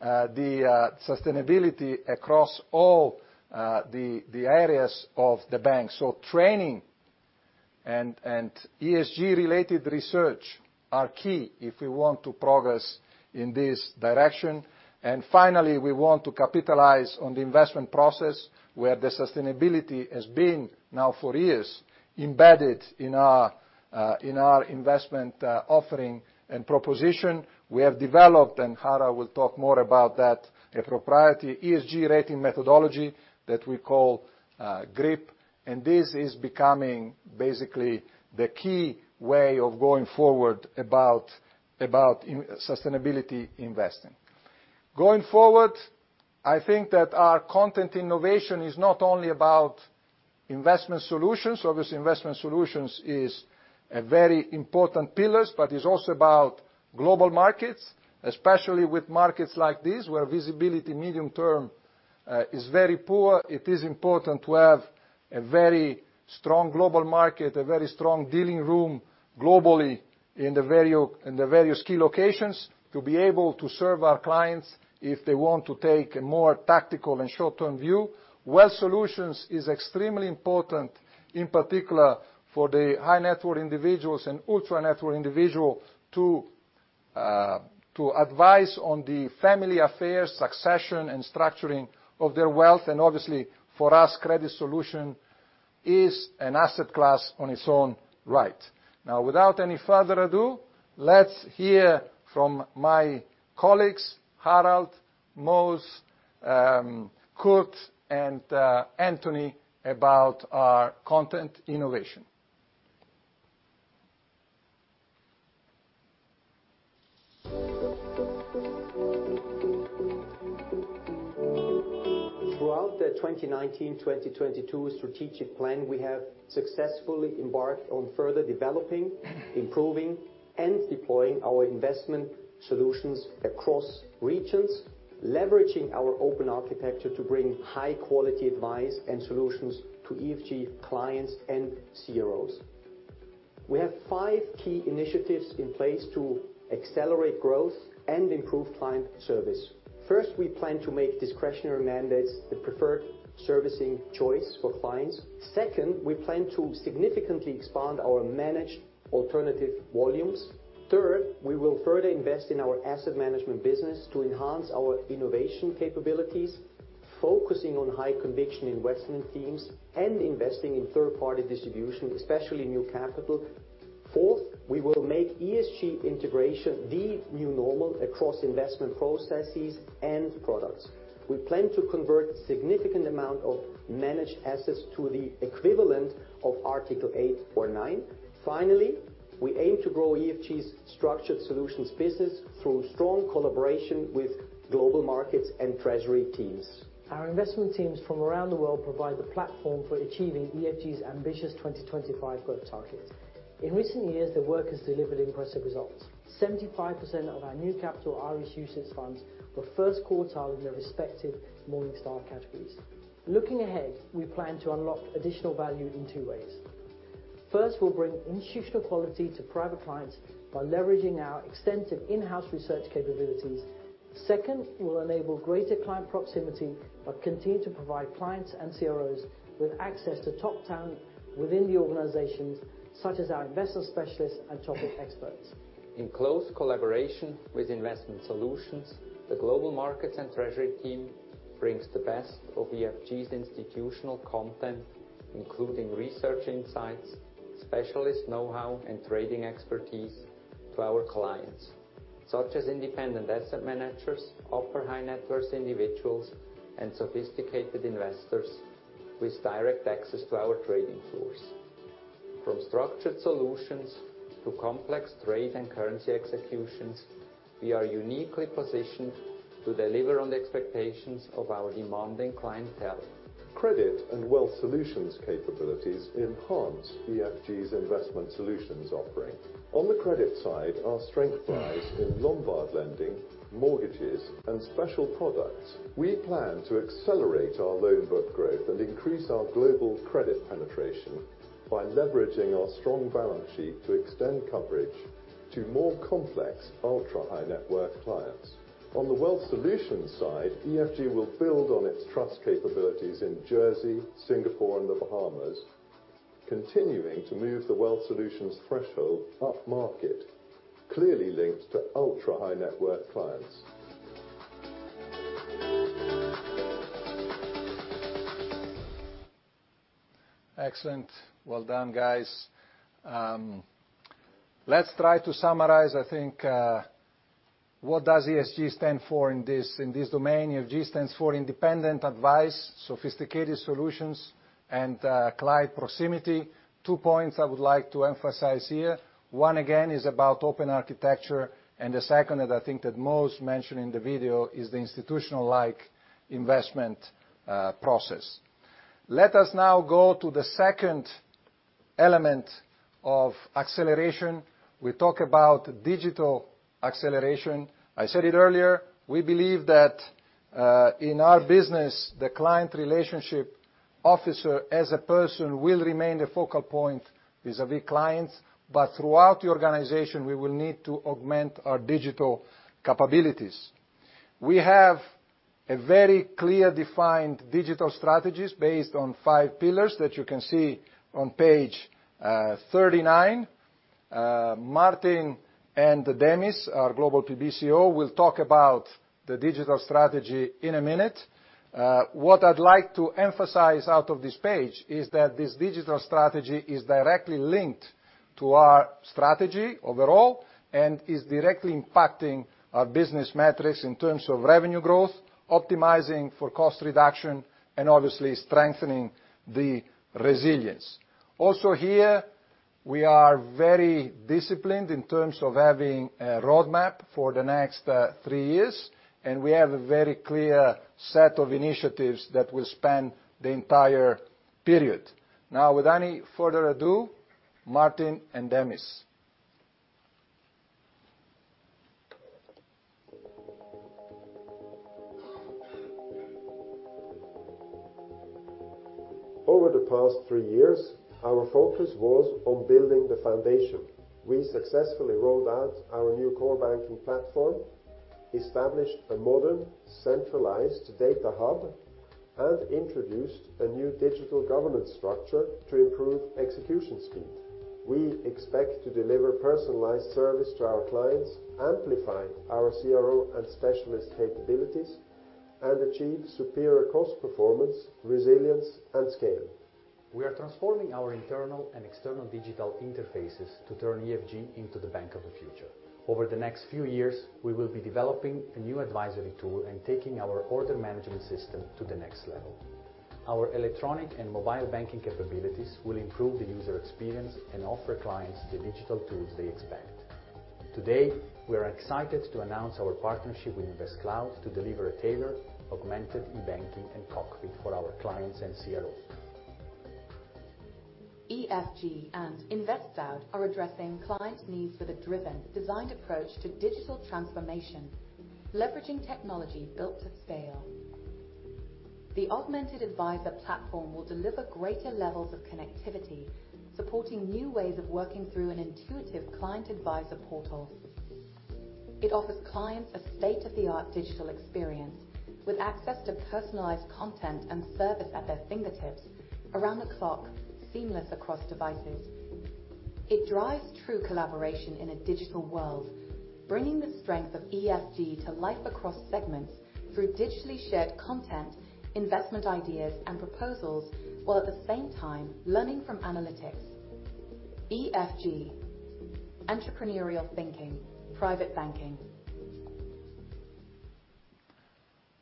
the sustainability across all the areas of the bank. Training and ESG related research are key if we want to progress in this direction. Finally, we want to capitalize on the investment process, where the sustainability has been now for years embedded in our investment offering and proposition. We have developed, and Harald will talk more about that, a proprietary ESG rating methodology that we call GRIP, and this is becoming basically the key way of going forward about sustainability investing. Going forward, I think that our content innovation is not only about investment solutions. Obviously, investment solutions is a very important pillars, but it's also about global markets, especially with markets like this, where visibility medium term is very poor. It is important to have a very strong global market, a very strong dealing room globally in the various key locations to be able to serve our clients if they want to take a more tactical and short-term view. Wealth solutions is extremely important, in particular for the high-net-worth individuals and ultra-high-net-worth individual to advise on the family affairs, succession, and structuring of their wealth. Obviously for us, credit solution is an asset class in its own right. Now without any further ado, let's hear from my colleagues, Harald, Reze, Kurt, and Anthony, about our content innovation. Throughout the 2019-2022 strategic plan, we have successfully embarked on further developing, improving, and deploying our investment solutions across regions, leveraging our open architecture to bring high quality advice and solutions to EFG clients and CROs. We have five key initiatives in place to accelerate growth and improve client service. First, we plan to make discretionary mandates the preferred servicing choice for clients. Second, we plan to significantly expand our managed alternative volumes. Third, we will further invest in our asset management business to enhance our innovation capabilities, focusing on high conviction investment themes and investing in third-party distribution, especially New Capital. Fourth, we will make ESG integration the new normal across investment processes and products. We plan to convert significant amount of managed assets to the equivalent of Article 8 or 9. Finally, we aim to grow EFG's structured solutions business through strong collaboration with global markets and treasury teams. Our investment teams from around the world provide the platform for achieving EFG's ambitious 2025 growth targets. In recent years, their work has delivered impressive results. 75% of our New Capital Irish UCITS funds were first quartile in their respective Morningstar categories. Looking ahead, we plan to unlock additional value in two ways. First, we'll bring institutional quality to private clients by leveraging our extensive in-house research capabilities. Second, we'll enable greater client proximity but continue to provide clients and CROs with access to top talent within the organizations, such as our investor specialists and topic experts. In close collaboration with investment solutions, the global markets and treasury team brings the best of EFG's institutional content, including research insights, specialist know-how, and trading expertise to our clients, such as independent asset managers, upper high-net-worth individuals, and sophisticated investors with direct access to our trading floors. From structured solutions to complex trade and currency executions, we are uniquely positioned to deliver on the expectations of our demanding clientele. Credit and wealth solutions capabilities enhance EFG's investment solutions offering. On the credit side, our strength lies in Lombard lending, mortgages, and special products. We plan to accelerate our loan book growth and increase our global credit penetration by leveraging our strong balance sheet to extend coverage to more complex ultra-high-net-worth clients. On the wealth solution side, EFG will build on its trust capabilities in Jersey, Singapore, and the Bahamas. Continuing to move the wealth solutions threshold upmarket, clearly linked to ultra-high net worth clients. Excellent. Well done, guys. Let's try to summarize, I think, what does EFG stand for in this domain. EFG stands for independent advice, sophisticated solutions, and client proximity. Two points I would like to emphasize here. One, again, is about open architecture, and the second, that I think that most mentioned in the video, is the institutional-like investment process. Let us now go to the second element of acceleration. We talk about digital acceleration. I said it earlier, we believe that in our business, the client relationship officer as a person will remain the focal point vis-à-vis clients, but throughout the organization, we will need to augment our digital capabilities. We have a very clear defined digital strategies based on five pillars that you can see on page 39. Martin and Demis, our global COO, will talk about the digital strategy in a minute. What I'd like to emphasize out of this page is that this digital strategy is directly linked to our strategy overall and is directly impacting our business metrics in terms of revenue growth, optimizing for cost reduction, and obviously strengthening the resilience. Also here, we are very disciplined in terms of having a roadmap for the next three years, and we have a very clear set of initiatives that will span the entire period. Now, without any further ado, Martin and Demis. Over the past three years, our focus was on building the foundation. We successfully rolled out our new core banking platform, established a modern, centralized data hub, and introduced a new digital governance structure to improve execution speed. We expect to deliver personalized service to our clients, amplify our CRO and specialist capabilities, and achieve superior cost performance, resilience, and scale. We are transforming our internal and external digital interfaces to turn EFG into the bank of the future. Over the next few years, we will be developing a new advisory tool and taking our order management system to the next level. Our electronic and mobile banking capabilities will improve the user experience and offer clients the digital tools they expect. Today, we are excited to announce our partnership with InvestCloud to deliver a tailored, augmented e-banking and cockpit for our clients and CRO. EFG and InvestCloud are addressing client needs with a driven, designed approach to digital transformation, leveraging technology built to scale. The augmented advisor platform will deliver greater levels of connectivity, supporting new ways of working through an intuitive client advisor portal. It offers clients a state-of-the-art digital experience with access to personalized content and service at their fingertips around the clock, seamless across devices. It drives true collaboration in a digital world, bringing the strength of EFG to life across segments through digitally shared content, investment ideas and proposals, while at the same time learning from analytics. EFG, entrepreneurial thinking, private banking.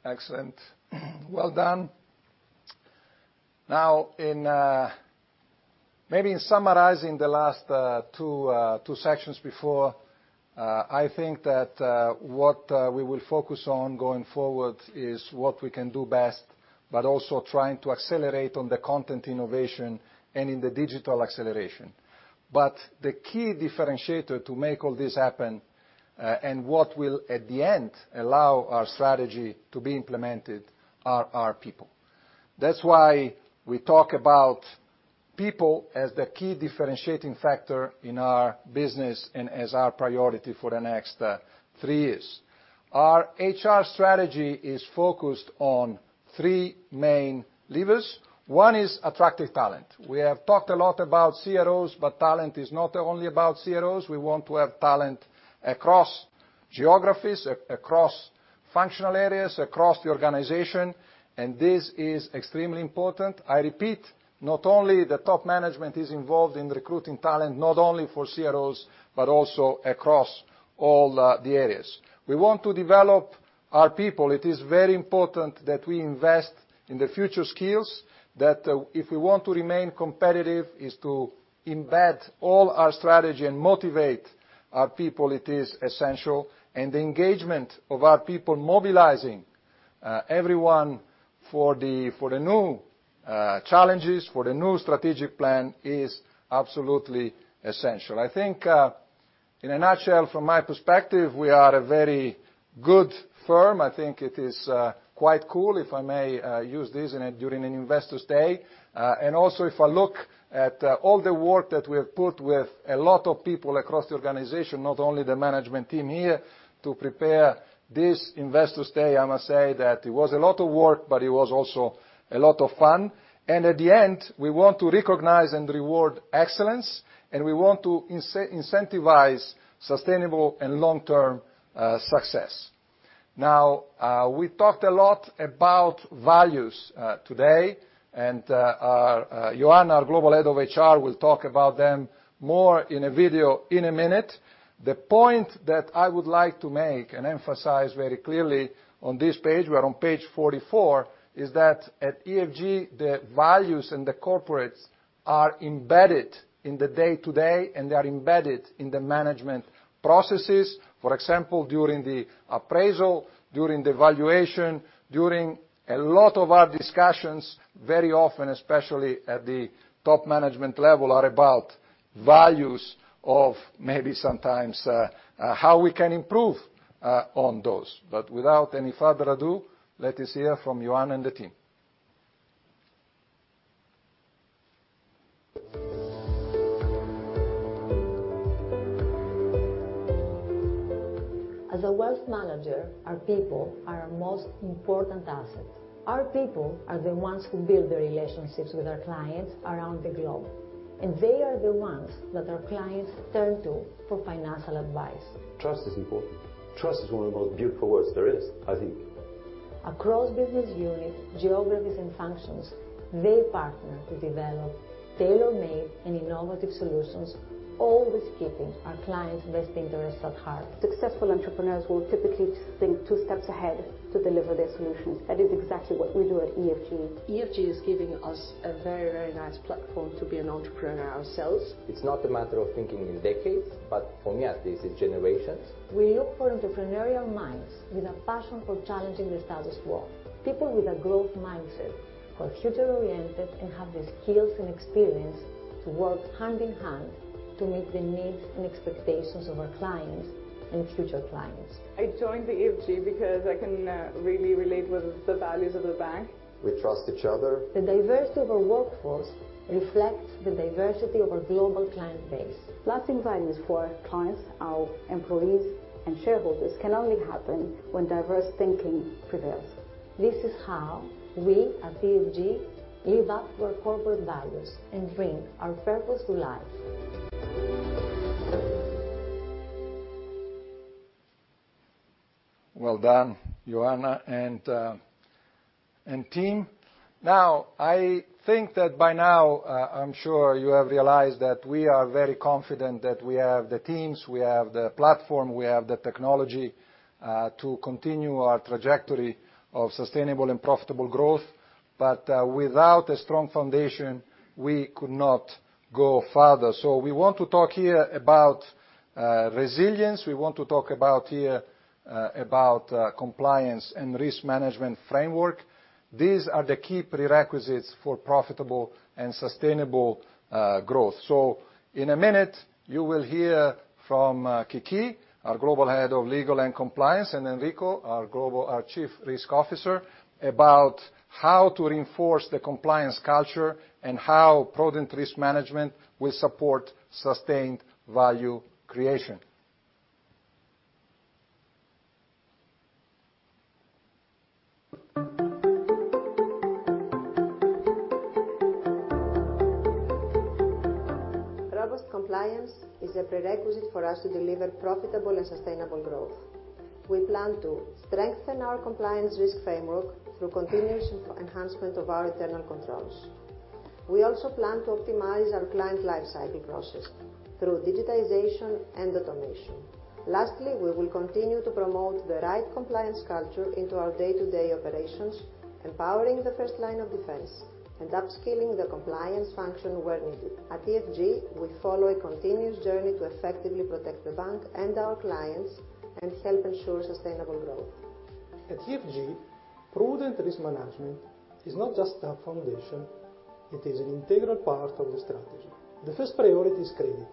Excellent. Well done. Now, maybe in summarizing the last two sections before, I think that what we will focus on going forward is what we can do best, but also trying to accelerate on the content innovation and in the digital acceleration. The key differentiator to make all this happen, and what will at the end allow our strategy to be implemented are our people. That's why we talk about people as the key differentiating factor in our business and as our priority for the next three years. Our HR strategy is focused on three main levers. One is attractive talent. We have talked a lot about CROs, but talent is not only about CROs. We want to have talent across geographies, across functional areas, across the organization, and this is extremely important. I repeat, not only the top management is involved in recruiting talent, not only for CROs, but also across all, the areas. We want to develop our people. It is very important that we invest in the future skills, that if we want to remain competitive, is to embed all our strategy and motivate our people, it is essential. The engagement of our people, mobilizing everyone for the new challenges, for the new strategic plan, is absolutely essential. I think, in a nutshell, from my perspective, we are a very good firm. I think it is quite cool, if I may, use this during an Investors Day. If I look at all the work that we have put with a lot of people across the organization, not only the management team here, to prepare this investors day, I must say that it was a lot of work, but it was also a lot of fun. At the end, we want to recognize and reward excellence, and we want to incentivize sustainable and long-term success. We talked a lot about values today, and our Ioanna, our Global Head of HR, will talk about them more in a video in a minute. The point that I would like to make and emphasize very clearly on this page, we are on page 44, is that at EFG, the values and the culture are embedded in the day-to-day, and they are embedded in the management processes. For example, during the appraisal, during the valuation, during a lot of our discussions, very often, especially at the top management level, are about values of maybe sometimes how we can improve on those. Without any further ado, let us hear from Ioanna and the team. As a wealth manager, our people are our most important asset. Our people are the ones who build the relationships with our clients around the globe, and they are the ones that our clients turn to for financial advice. Trust is important. Trust is one of the most beautiful words there is, I think. Across business units, geographies, and functions, they partner to develop tailor-made and innovative solutions, always keeping our clients' best interests at heart. Successful entrepreneurs will typically think two steps ahead to deliver their solutions. That is exactly what we do at EFG. EFG is giving us a very, very nice platform to be an entrepreneur ourselves. It's not a matter of thinking in decades, but for me at least it's generations. We look for entrepreneurial minds with a passion for challenging the status quo, people with a growth mindset, who are future-oriented and have the skills and experience to work hand-in-hand to meet the needs and expectations of our clients and future clients. I joined the EFG because I can really relate with the values of the bank. We trust each other. The diversity of our workforce reflects the diversity of our global client base. Lasting values for our clients, our employees, and shareholders can only happen when diverse thinking prevails. This is how we at EFG live up to our corporate values and bring our purpose to life. Well done, Ioanna and team. Now, I think that by now, I'm sure you have realized that we are very confident that we have the teams, we have the platform, we have the technology, to continue our trajectory of sustainable and profitable growth. Without a strong foundation, we could not go further. We want to talk here about resilience. We want to talk about compliance and risk management framework. These are the key prerequisites for profitable and sustainable growth. In a minute, you will hear from Kiki, our Global Head of Legal and Compliance, and Enrico, our Global Chief Risk Officer, about how to reinforce the compliance culture and how prudent risk management will support sustained value creation. Robust compliance is a prerequisite for us to deliver profitable and sustainable growth. We plan to strengthen our compliance risk framework through continuous enhancement of our internal controls. We also plan to optimize our client lifecycle process through digitization and automation. Lastly, we will continue to promote the right compliance culture into our day-to-day operations, empowering the first line of defense and upskilling the compliance function where needed. At EFG, we follow a continuous journey to effectively protect the bank and our clients and help ensure sustainable growth. At EFG, prudent risk management is not just a foundation, it is an integral part of the strategy. The first priority is credit.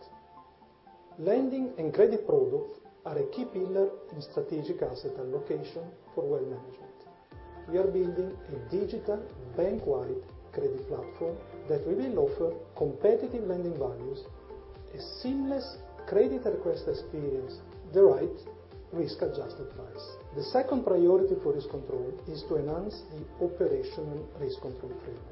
Lending and credit products are a key pillar in strategic asset allocation for wealth management. We are building a digital bank-wide credit platform that will offer competitive lending values, a seamless credit request experience, the right risk-adjusted price. The second priority for risk control is to enhance the operational risk control framework.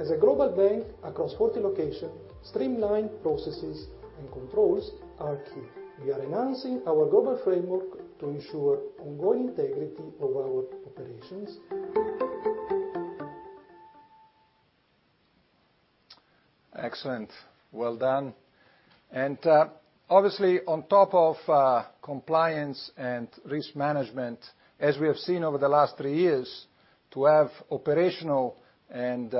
As a global bank across 40 locations, streamlined processes and controls are key. We are enhancing our global framework to ensure ongoing integrity of our operations. Excellent. Well done. Obviously on top of compliance and risk management, as we have seen over the last three years, to have operational and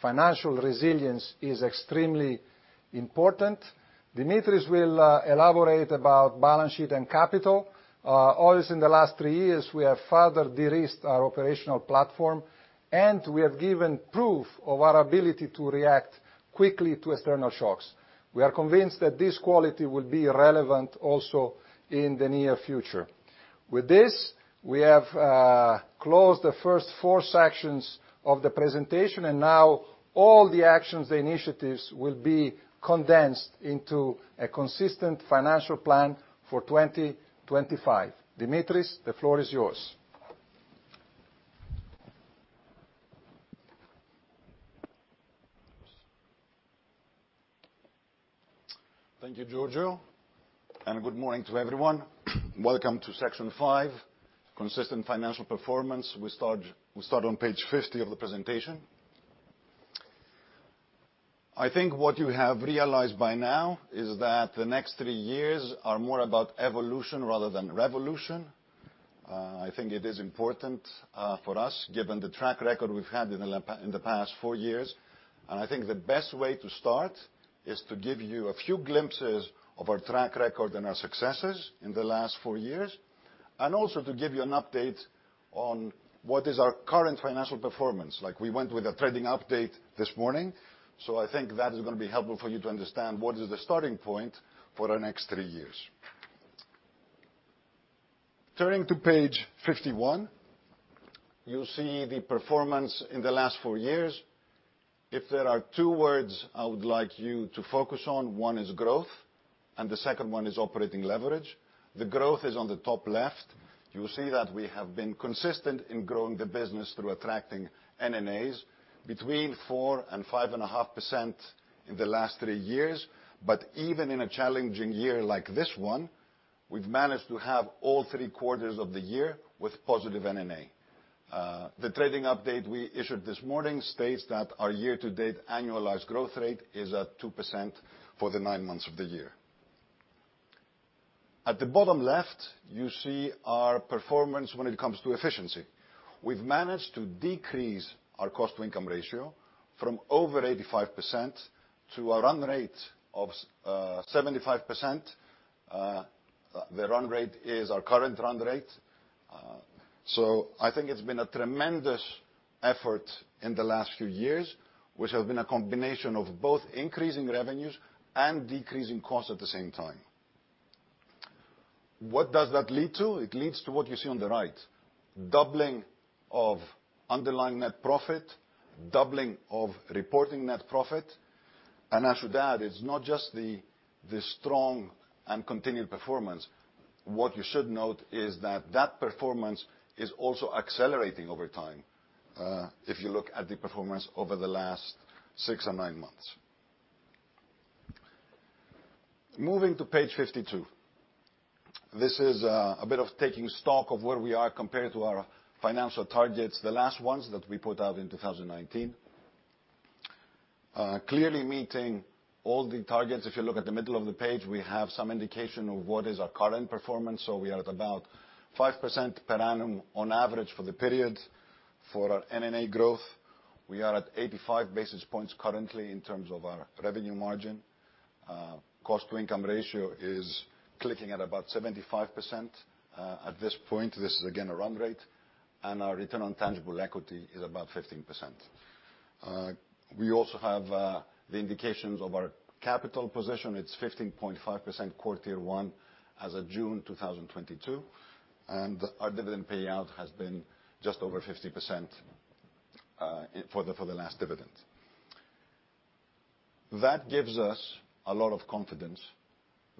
financial resilience is extremely important. Dimitris will elaborate about balance sheet and capital. Always in the last three years, we have further de-risked our operational platform, and we have given proof of our ability to react quickly to external shocks. We are convinced that this quality will be relevant also in the near future. With this, we have closed the first four sections of the presentation and now all the actions, the initiatives will be condensed into a consistent financial plan for 2025. Dimitris, the floor is yours. Thank you, Giorgio, and good morning to everyone. Welcome to section five, consistent financial performance. We start on page 50 of the presentation. I think what you have realized by now is that the next three years are more about evolution rather than revolution. I think it is important for us given the track record we've had in the past four years. I think the best way to start is to give you a few glimpses of our track record and our successes in the last four years, and also to give you an update on what is our current financial performance. Like we went with a trading update this morning, so I think that is gonna be helpful for you to understand what is the starting point for the next three years. Turning to page 51, you see the performance in the last four years. If there are two words I would like you to focus on, one is growth and the second one is operating leverage. The growth is on the top left. You see that we have been consistent in growing the business through attracting NNAs between 4% and 5.5% in the last three years. Even in a challenging year like this one, we've managed to have all three quarters of the year with positive NNA. The trading update we issued this morning states that our year-to-date annualized growth rate is at 2% for the nine months of the year. At the bottom left, you see our performance when it comes to efficiency. We've managed to decrease our cost/income ratio from over 85% to a run rate of 75%. The run rate is our current run rate. I think it's been a tremendous effort in the last few years, which have been a combination of both increasing revenues and decreasing costs at the same time. What does that lead to? It leads to what you see on the right. Doubling of underlying net profit, doubling of reporting net profit. I should add, it's not just the strong and continued performance. What you should note is that performance is also accelerating over time, if you look at the performance over the last six or nine months. Moving to page 52. This is a bit of taking stock of where we are compared to our financial targets, the last ones that we put out in 2019. Clearly meeting all the targets. If you look at the middle of the page, we have some indication of what is our current performance. We are at about 5% per annum on average for the period. For our NNA growth, we are at 85 basis points currently in terms of our revenue margin. Cost-to-income ratio is clicking at about 75%, at this point. This is again a run rate. Our return on tangible equity is about 15%. We also have the indications of our capital position. It's 15.5% core Tier 1 as of June 2022, and our dividend payout has been just over 50%, for the last dividend. That gives us a lot of confidence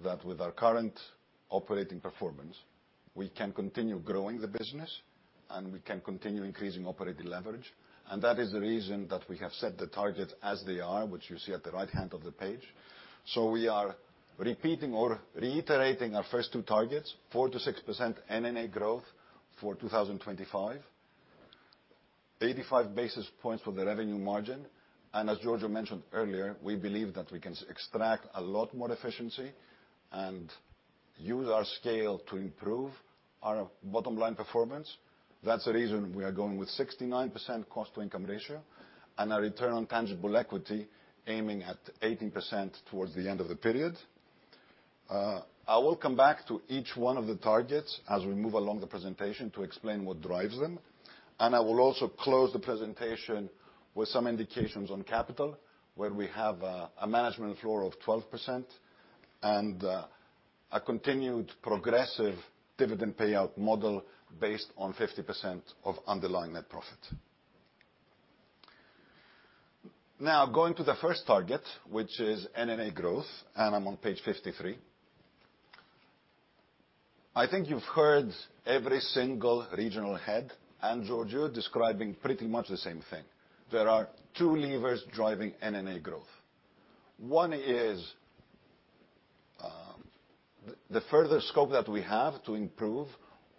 that with our current operating performance, we can continue growing the business and we can continue increasing operating leverage. That is the reason that we have set the targets as they are, which you see at the right hand of the page. We are repeating or reiterating our first two targets, 4%-6% NNA growth for 2025, 85 basis points for the revenue margin. As Giorgio mentioned earlier, we believe that we can extract a lot more efficiency and use our scale to improve our bottom line performance. That's the reason we are going with 69% cost/income ratio and our return on tangible equity aiming at 18% towards the end of the period. I will come back to each one of the targets as we move along the presentation to explain what drives them. I will also close the presentation with some indications on capital, where we have a management floor of 12% and a continued progressive dividend payout model based on 50% of underlying net profit. Now going to the first target, which is NNA growth, and I'm on page 53. I think you've heard every single regional head and Giorgio describing pretty much the same thing. There are two levers driving NNA growth. One is the further scope that we have to improve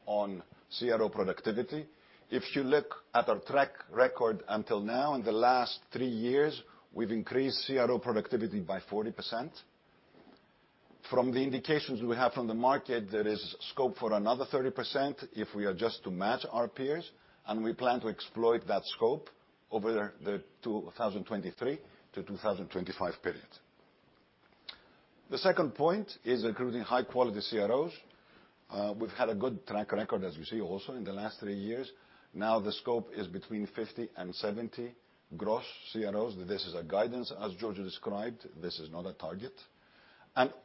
on CRO productivity. If you look at our track record until now, in the last three years, we've increased CRO productivity by 40%. From the indications we have from the market, there is scope for another 30% if we are just to match our peers, and we plan to exploit that scope over the 2023-2025 period. The second point is recruiting high-quality CROs. We've had a good track record, as you see also in the last three years. Now the scope is between 50 and 70 gross CROs. This is a guidance, as Giorgio described. This is not a target.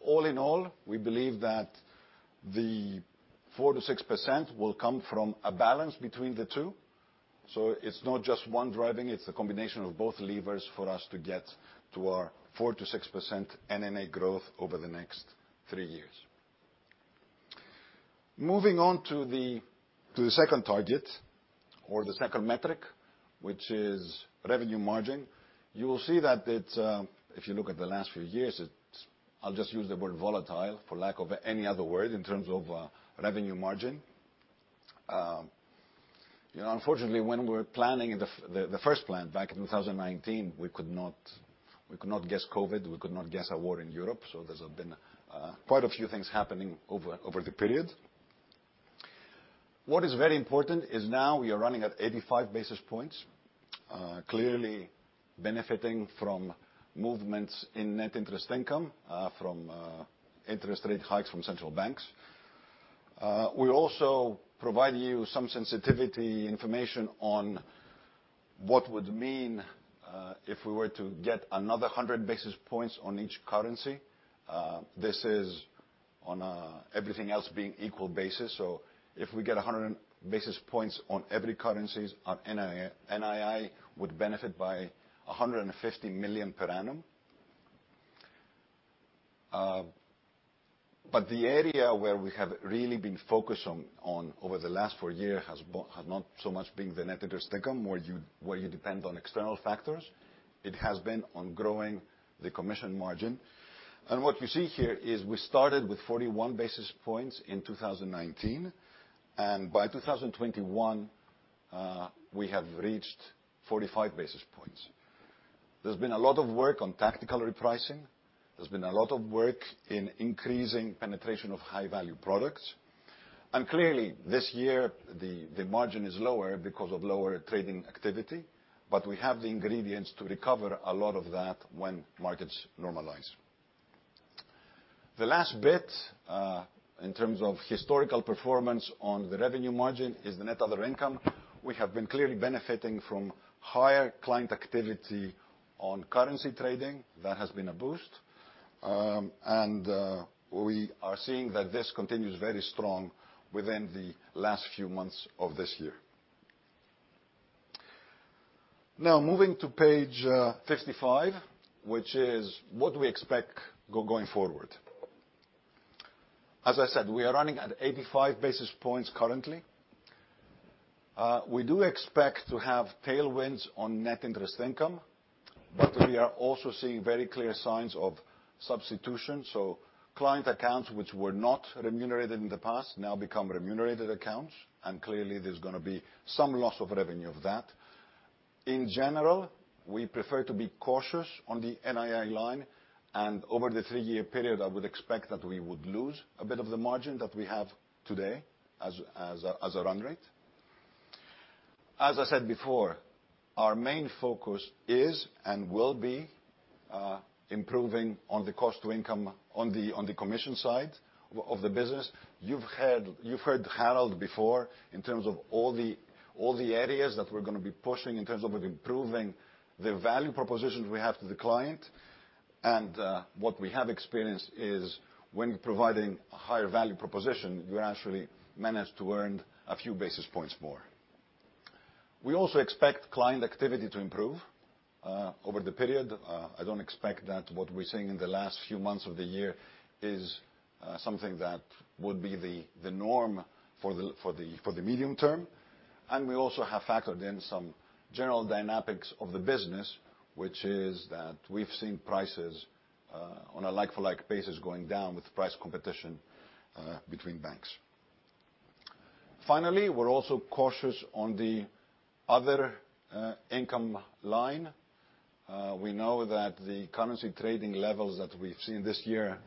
All in all, we believe that the 4%-6% will come from a balance between the two. It's not just one driving, it's a combination of both levers for us to get to our 4%-6% NNA growth over the next three years. Moving on to the second target or the second metric, which is revenue margin. You will see that if you look at the last few years, it's, I'll just use the word volatile for lack of any other word in terms of revenue margin. You know, unfortunately, when we're planning the first plan back in 2019, we could not guess COVID, we could not guess a war in Europe. There's been quite a few things happening over the period. What is very important is now we are running at 85 basis points, clearly benefiting from movements in net interest income from interest rate hikes from central banks. We also provide you some sensitivity information on what would mean if we were to get another 100 basis points on each currency. This is on an everything else being equal basis. If we get 100 basis points on every currency, our NII would benefit by 150 million per annum. The area where we have really been focused on over the last four years has not so much been the net interest income, where you depend on external factors. It has been on growing the commission margin. What you see here is we started with 41 basis points in 2019, and by 2021, we have reached 45 basis points. There's been a lot of work on tactical repricing. There's been a lot of work in increasing penetration of high-value products. Clearly, this year the margin is lower because of lower trading activity, but we have the ingredients to recover a lot of that when markets normalize. The last bit in terms of historical performance on the revenue margin is the net other income. We have been clearly benefiting from higher client activity on currency trading. That has been a boost. We are seeing that this continues very strong within the last few months of this year. Now moving to page 55, which is what we expect going forward. As I said, we are running at 85 basis points currently. We do expect to have tailwinds on net interest income, but we are also seeing very clear signs of substitution. Client accounts which were not remunerated in the past now become remunerated accounts, and clearly there's gonna be some loss of revenue of that. In general, we prefer to be cautious on the NII line, and over the three-year period, I would expect that we would lose a bit of the margin that we have today as a run rate. As I said before, our main focus is and will be improving on the cost to income on the commission side of the business. You've heard Harald before in terms of all the areas that we're gonna be pushing in terms of improving the value propositions we have to the client, and what we have experienced is when providing a higher value proposition, you actually manage to earn a few basis points more. We also expect client activity to improve over the period. I don't expect that what we're seeing in the last few months of the year is something that would be the norm for the medium term. We also have factored in some general dynamics of the business, which is that we've seen prices on a like-for-like basis going down with price competition between banks. Finally, we're also cautious on the other income line. We know that the currency trading levels that we've seen this year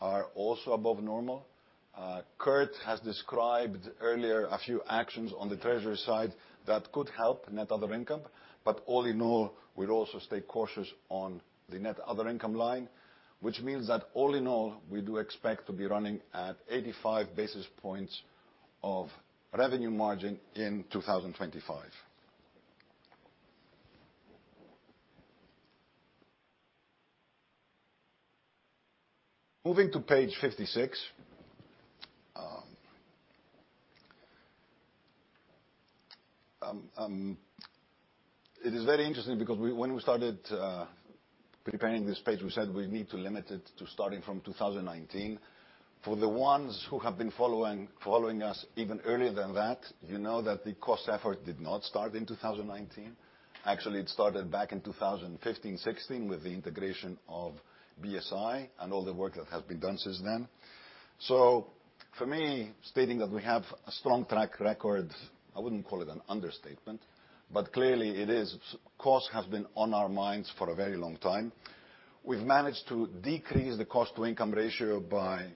are also above normal. Kurt has described earlier a few actions on the treasury side that could help net other income. All in all, we'll also stay cautious on the net other income line, which means that all in all, we do expect to be running at 85 basis points of revenue margin in 2025. Moving to page 56. It is very interesting because we, when we started preparing this page, we said we need to limit it to starting from 2019. For the ones who have been following us even earlier than that, you know that the cost effort did not start in 2019. Actually, it started back in 2015, 2016 with the integration of BSI and all the work that has been done since then. For me, stating that we have a strong track record, I wouldn't call it an understatement, but clearly it is. Cost has been on our minds for a very long time. We have managed to decrease the cost/income ratio by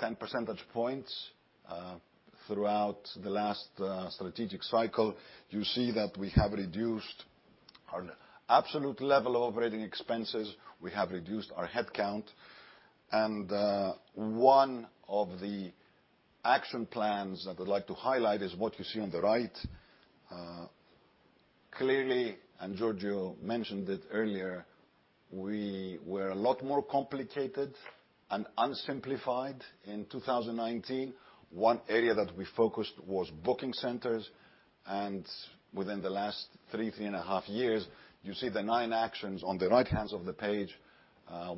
10 percentage points throughout the last strategic cycle. You see that we have reduced our absolute level of operating expenses. We have reduced our headcount, and one of the action plans that I'd like to highlight is what you see on the right. Clearly, Giorgio mentioned it earlier. We were a lot more complicated and unsimplified in 2019. One area that we focused was booking centers. Within the last three and a half years, you see the nine actions on the right-hand of the page,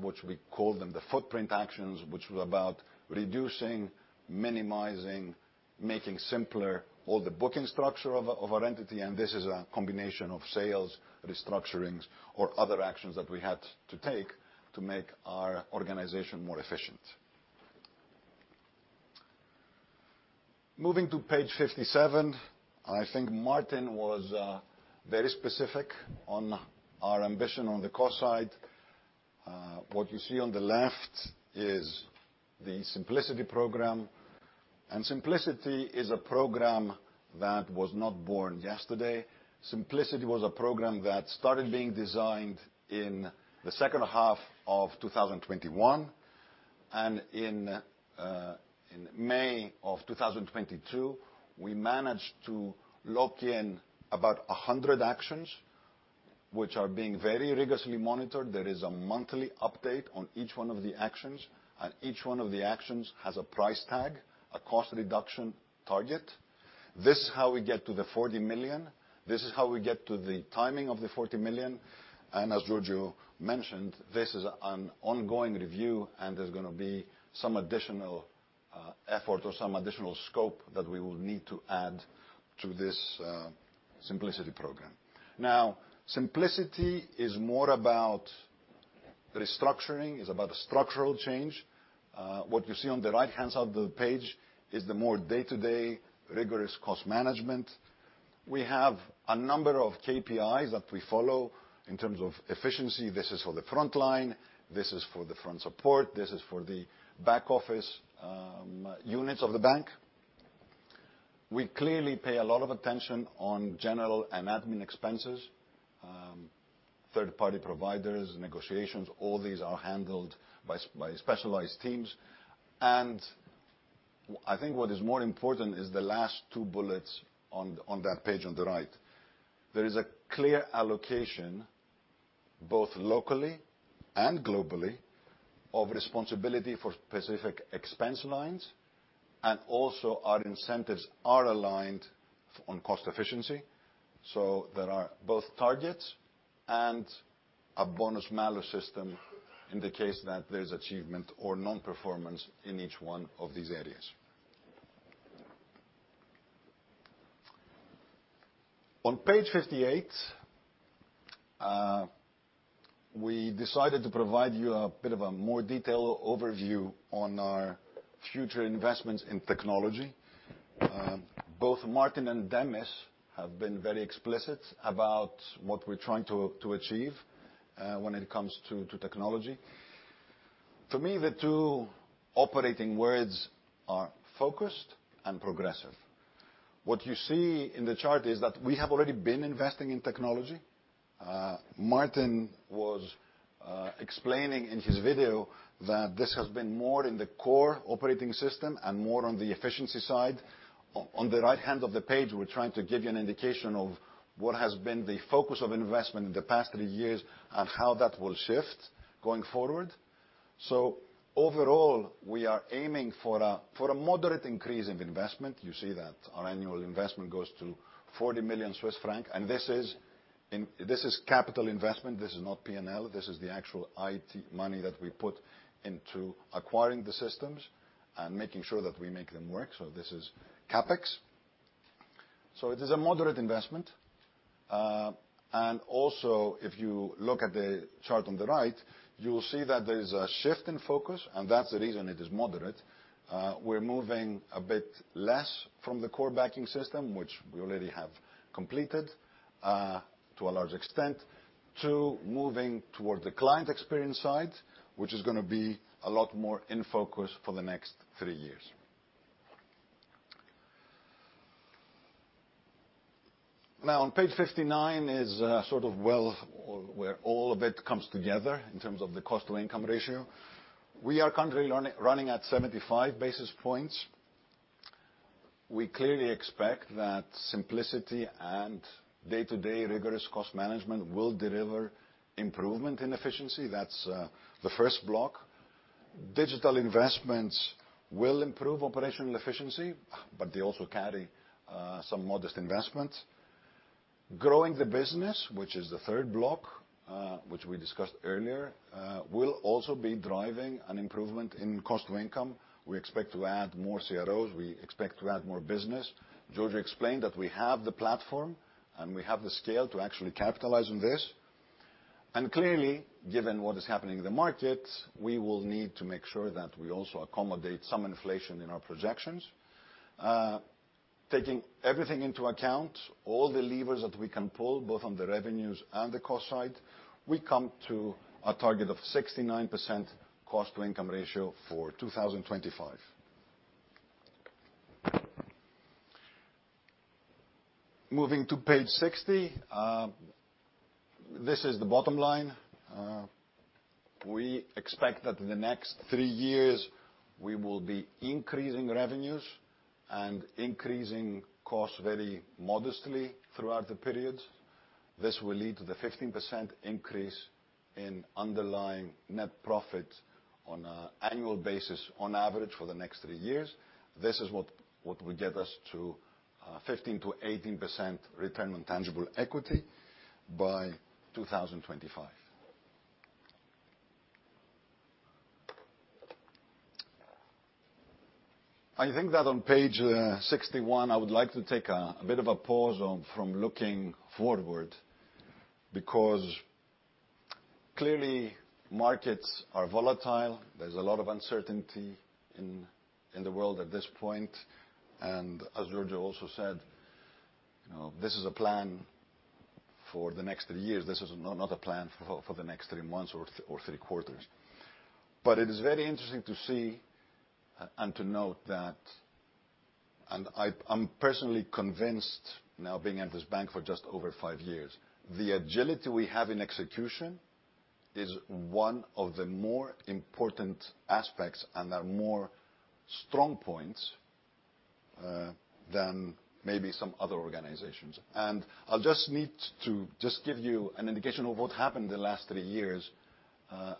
which we call them the footprint actions, which were about reducing, minimizing, making simpler all the booking structure of our entity. This is a combination of sales, restructurings, or other actions that we had to take to make our organization more efficient. Moving to page 57. I think Martin was very specific on our ambition on the cost side. What you see on the left is the Simplicity program. Simplicity is a program that was not born yesterday. Simplicity was a program that started being designed in the second half of 2021. In May of 2022, we managed to lock in about 100 actions, which are being very rigorously monitored. There is a monthly update on each one of the actions, and each one of the actions has a price tag, a cost reduction target. This is how we get to the 40 million. This is how we get to the timing of the 40 million. As Giorgio mentioned, this is an ongoing review, and there's gonna be some additional effort or some additional scope that we will need to add to this Simplicity program. Now, Simplicity is more about restructuring, is about structural change. What you see on the right-hand side of the page is the more day-to-day rigorous cost management. We have a number of KPIs that we follow in terms of efficiency. This is for the front line, this is for the front support, this is for the back-office units of the bank. We clearly pay a lot of attention on general and admin expenses. Third-party providers, negotiations, all these are handled by by specialized teams. I think what is more important is the last two bullets on that page on the right. There is a clear allocation, both locally and globally, of responsibility for specific expense lines. Our incentives are aligned on cost efficiency, so there are both targets and a bonus-malus system in the case that there's achievement or non-performance in each one of these areas. On page 58, we decided to provide you a bit of a more detailed overview on our future investments in technology. Both Martin and Demis have been very explicit about what we're trying to achieve when it comes to technology. For me, the two operating words are focused and progressive. What you see in the chart is that we have already been investing in technology. Martin was explaining in his video that this has been more in the core operating system and more on the efficiency side. On the right-hand side of the page, we're trying to give you an indication of what has been the focus of investment in the past three years and how that will shift going forward. Overall, we are aiming for a moderate increase of investment. You see that our annual investment goes to 40 million Swiss francs, and this is capital investment. This is not P&L. This is the actual IT money that we put into acquiring the systems and making sure that we make them work. This is CapEx. It is a moderate investment. And also if you look at the chart on the right, you will see that there is a shift in focus, and that's the reason it is moderate. We're moving a bit less from the core banking system, which we already have completed to a large extent, to moving toward the client experience side, which is gonna be a lot more in focus for the next three years. Now, on page 59 is where all of it comes together in terms of the cost/income ratio. We are currently running at 75 basis points. We clearly expect that Simplicity and day-to-day rigorous cost management will deliver improvement in efficiency. That's the first block. Digital investments will improve operational efficiency, but they also carry some modest investments. Growing the business, which is the third block, which we discussed earlier, will also be driving an improvement in cost to income. We expect to add more CROs. We expect to add more business. Giorgio explained that we have the platform, and we have the scale to actually capitalize on this. Clearly, given what is happening in the markets, we will need to make sure that we also accommodate some inflation in our projections. Taking everything into account, all the levers that we can pull, both on the revenues and the cost side, we come to a target of 69% cost-to-income ratio for 2025. Moving to page 60. This is the bottom line. We expect that in the next three years we will be increasing revenues and increasing costs very modestly throughout the periods. This will lead to the 15% increase in underlying net profit on an annual basis on average for the next three years. This is what will get us to 15%-18% return on tangible equity by 2025. I think that on page 61, I would like to take a bit of a pause from looking forward, because clearly markets are volatile. There's a lot of uncertainty in the world at this point. As Giorgio also said, you know, this is a plan for the next three years. This is not a plan for the next three months or three quarters. It is very interesting to see and to note that I'm personally convinced now, being at this bank for just over five years, the agility we have in execution is one of the more important aspects, and are more strong points than maybe some other organizations. I'll just give you an indication of what happened the last three years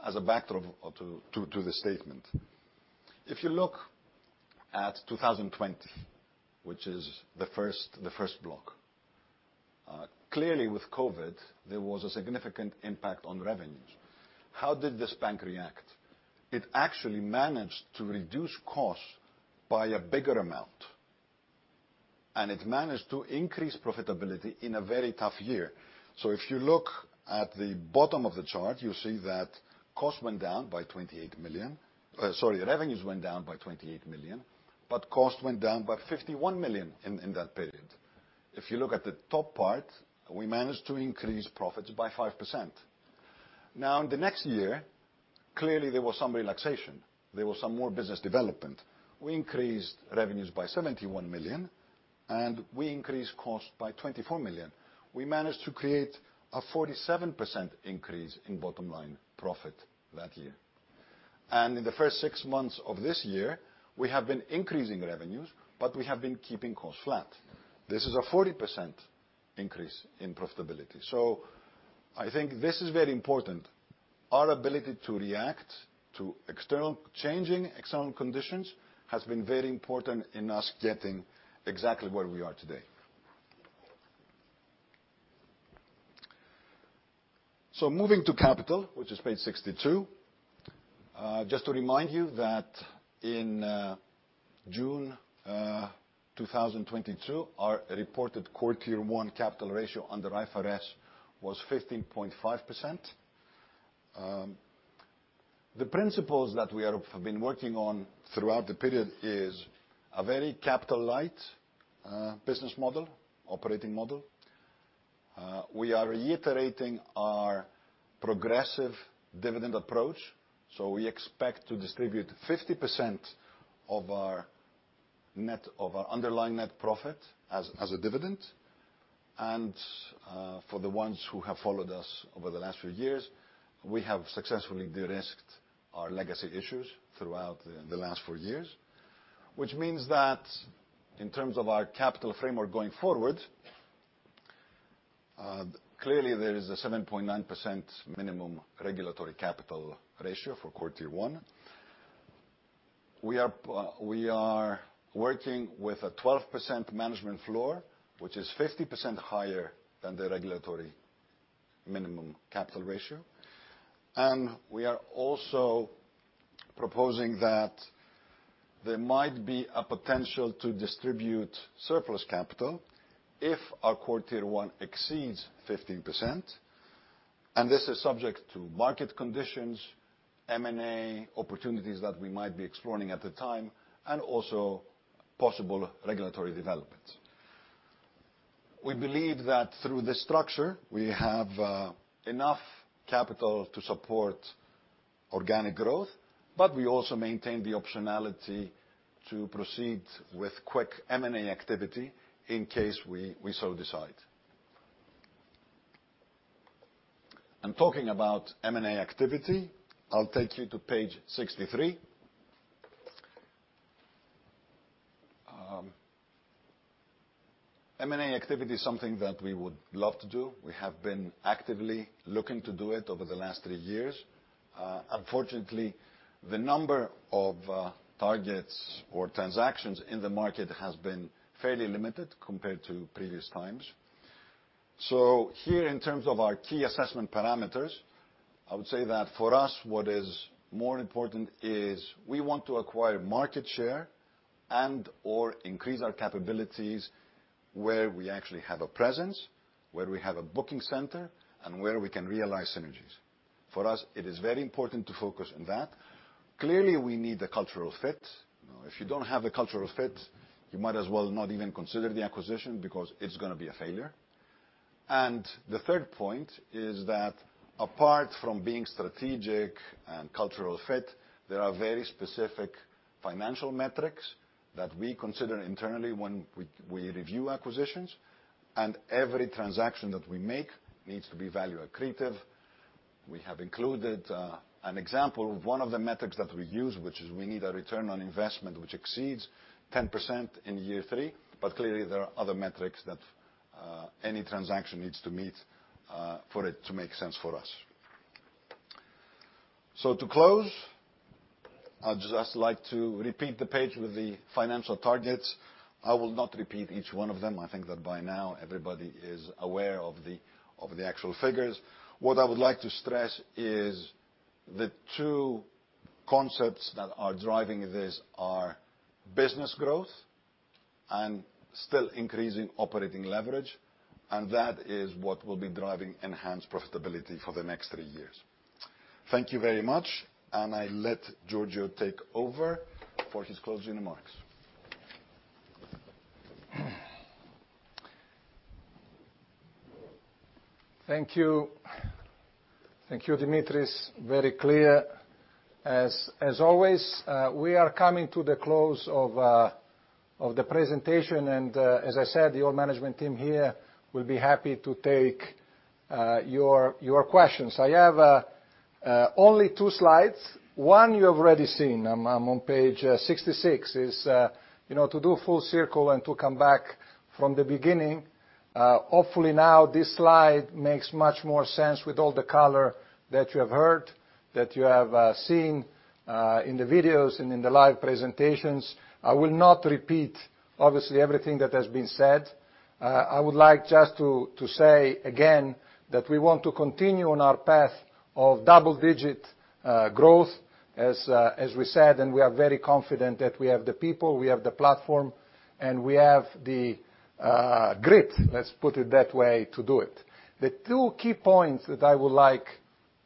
as a backdrop to the statement. If you look at 2020, which is the first block. Clearly with COVID, there was a significant impact on revenues. How did this bank react? It actually managed to reduce costs by a bigger amount, and it managed to increase profitability in a very tough year. If you look at the bottom of the chart, you'll see that revenues went down by 28 million, but costs went down by 51 million in that period. If you look at the top part, we managed to increase profits by 5%. In the next year, clearly there was some relaxation. There was some more business development. We increased revenues by 71 million, and we increased costs by 24 million. We managed to create a 47% increase in bottom line profit that year. In the first six months of this year, we have been increasing revenues, but we have been keeping costs flat. This is a 40% increase in profitability. I think this is very important. Our ability to react to external changing, external conditions has been very important in us getting exactly where we are today. Moving to capital, which is page 62. Just to remind you that in June 2022, our reported core Tier 1 capital ratio under IFRS was 15.5%. The principles that we are, have been working on throughout the period is a very capital light business model, operating model. We are reiterating our progressive dividend approach. We expect to distribute 50% of our underlying net profit as a dividend. For the ones who have followed us over the last few years, we have successfully de-risked our legacy issues throughout the last four years. Which means that in terms of our capital framework going forward, clearly there is a 7.9% minimum regulatory capital ratio for core Tier 1. We are working with a 12% management floor, which is 50% higher than the regulatory minimum capital ratio. We are also proposing that there might be a potential to distribute surplus capital if our core Tier 1 exceeds 15%, and this is subject to market conditions, M&A opportunities that we might be exploring at the time, and also possible regulatory developments. We believe that through this structure, we have enough capital to support organic growth, but we also maintain the optionality to proceed with quick M&A activity in case we so decide. Talking about M&A activity, I'll take you to page 63. M&A activity is something that we would love to do. We have been actively looking to do it over the last three years. Unfortunately, the number of targets or transactions in the market has been fairly limited compared to previous times. Here, in terms of our key assessment parameters, I would say that for us, what is more important is we want to acquire market share and/or increase our capabilities where we actually have a presence, where we have a booking center, and where we can realize synergies. For us, it is very important to focus on that. Clearly, we need a cultural fit. You know, if you don't have a cultural fit, you might as well not even consider the acquisition because it's gonna be a failure. The third point is that apart from being strategic and cultural fit. There are very specific financial metrics that we consider internally when we review acquisitions. Every transaction that we make needs to be value accretive. We have included an example of one of the metrics that we use, which is we need a return on investment which exceeds 10% in year three, but clearly there are other metrics that any transaction needs to meet for it to make sense for us. To close, I'd just like to repeat the page with the financial targets. I will not repeat each one of them. I think that by now everybody is aware of the actual figures. What I would like to stress is the two concepts that are driving this are business growth and still increasing operating leverage, and that is what will be driving enhanced profitability for the next three years. Thank you very much, and I let Giorgio take over for his closing remarks. Thank you. Thank you, Dimitris. Very clear as always. We are coming to the close of the presentation, and as I said, the whole management team here will be happy to take your questions. I have only two slides. One you have already seen. I'm on page 66, you know, to do full circle and to come back from the beginning. Hopefully now this slide makes much more sense with all the color that you have heard, that you have seen, in the videos and in the live presentations. I will not repeat obviously everything that has been said. I would like just to say again that we want to continue on our path of double-digit growth, as we said, and we are very confident that we have the people, we have the platform, and we have the grit, let's put it that way, to do it. The two key points that I would like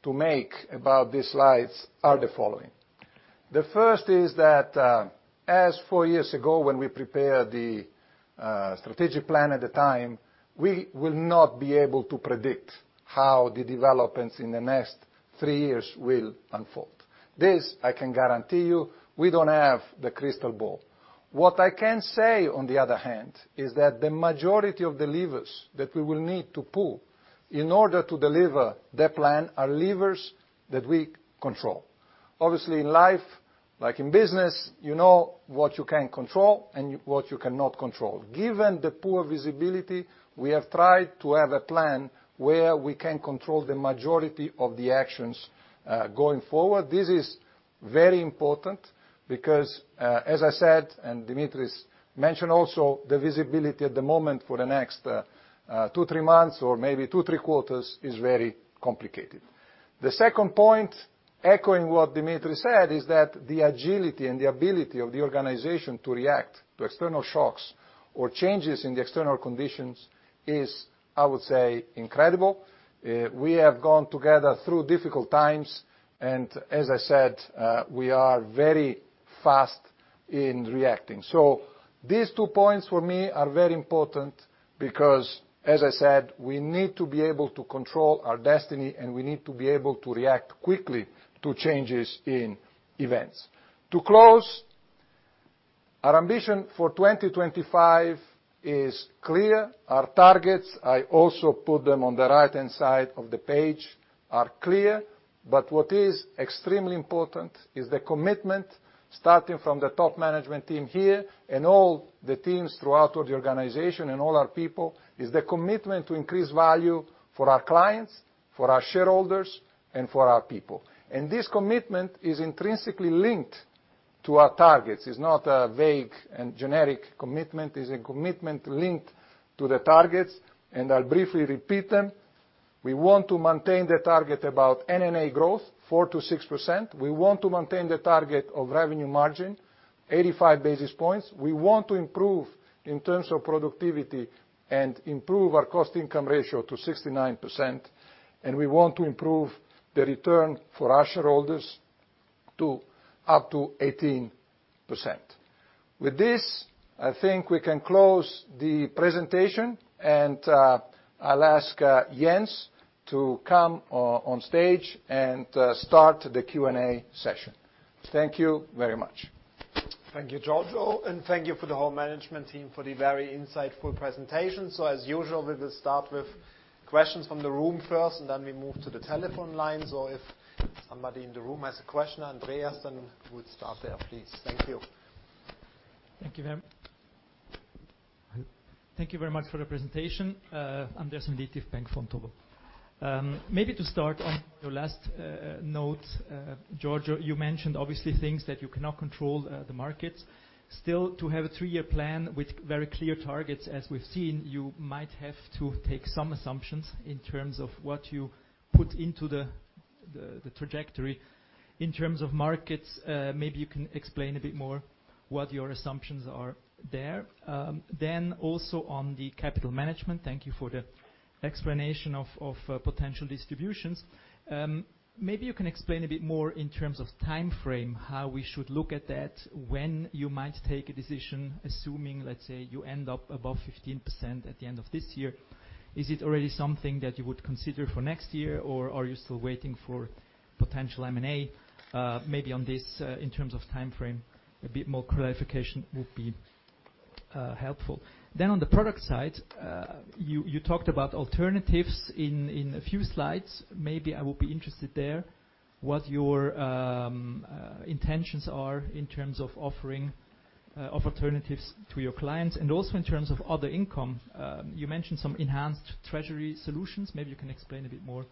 to make about these slides are the following. The first is that, as four years ago when we prepared the strategic plan at the time, we will not be able to predict how the developments in the next three years will unfold. This I can guarantee you, we don't have the crystal ball. What I can say, on the other hand, is that the majority of the levers that we will need to pull in order to deliver the plan are levers that we control. Obviously, in life, like in business, you know what you can control and what you cannot control. Given the poor visibility, we have tried to have a plan where we can control the majority of the actions going forward. This is very important because, as I said, and Dimitris mentioned also, the visibility at the moment for the next two, three months or maybe two, three quarters is very complicated. The second point, echoing what Dimitris said, is that the agility and the ability of the organization to react to external shocks or changes in the external conditions is, I would say, incredible. We have gone together through difficult times and, as I said, we are very fast in reacting. These two points for me are very important because, as I said, we need to be able to control our destiny, and we need to be able to react quickly to changes in events. To close, our ambition for 2025 is clear. Our targets, I also put them on the right-hand side of the page, are clear. What is extremely important is the commitment, starting from the top management team here and all the teams throughout all the organization and all our people, is the commitment to increase value for our clients, for our shareholders, and for our people. This commitment is intrinsically linked to our targets. It's not a vague and generic commitment. It's a commitment linked to the targets, and I'll briefly repeat them. We want to maintain the target about NNA growth 4%-6%. We want to maintain the target of revenue margin 85 basis points. We want to improve in terms of productivity and improve our cost/income ratio to 69%. We want to improve the return for our shareholders to up to 18%. With this, I think we can close the presentation, and I'll ask Jens to come on stage and start the Q&A session. Thank you very much. Thank you, Giorgio, and thank you for the whole management team for the very insightful presentation. As usual, we will start with questions from the room first, and then we move to the telephone lines. If somebody in the room has a question, Andreas, then we'll start there, please. Thank you. Thank you very much for the presentation. Andreas from Deutsche Bank, Vontobel. Maybe to start on your last note, Giorgio, you mentioned obviously things that you cannot control, the markets. Still, to have a three-year plan with very clear targets as we've seen, you might have to take some assumptions in terms of what you put into the trajectory. In terms of markets, maybe you can explain a bit more what your assumptions are there. Also on the capital management, thank you for the explanation of potential distributions. Maybe you can explain a bit more in terms of timeframe how we should look at that, when you might take a decision, assuming, let's say, you end up above 15% at the end of this year. Is it already something that you would consider for next year, or are you still waiting for potential M&A? Maybe on this, in terms of timeframe, a bit more clarification would be helpful. Helpful. On the product side, you talked about alternatives in a few slides. Maybe I will be interested there, what your intentions are in terms of offering alternatives to your clients. Also in terms of other income, you mentioned some enhanced treasury solutions. Maybe you can explain a bit more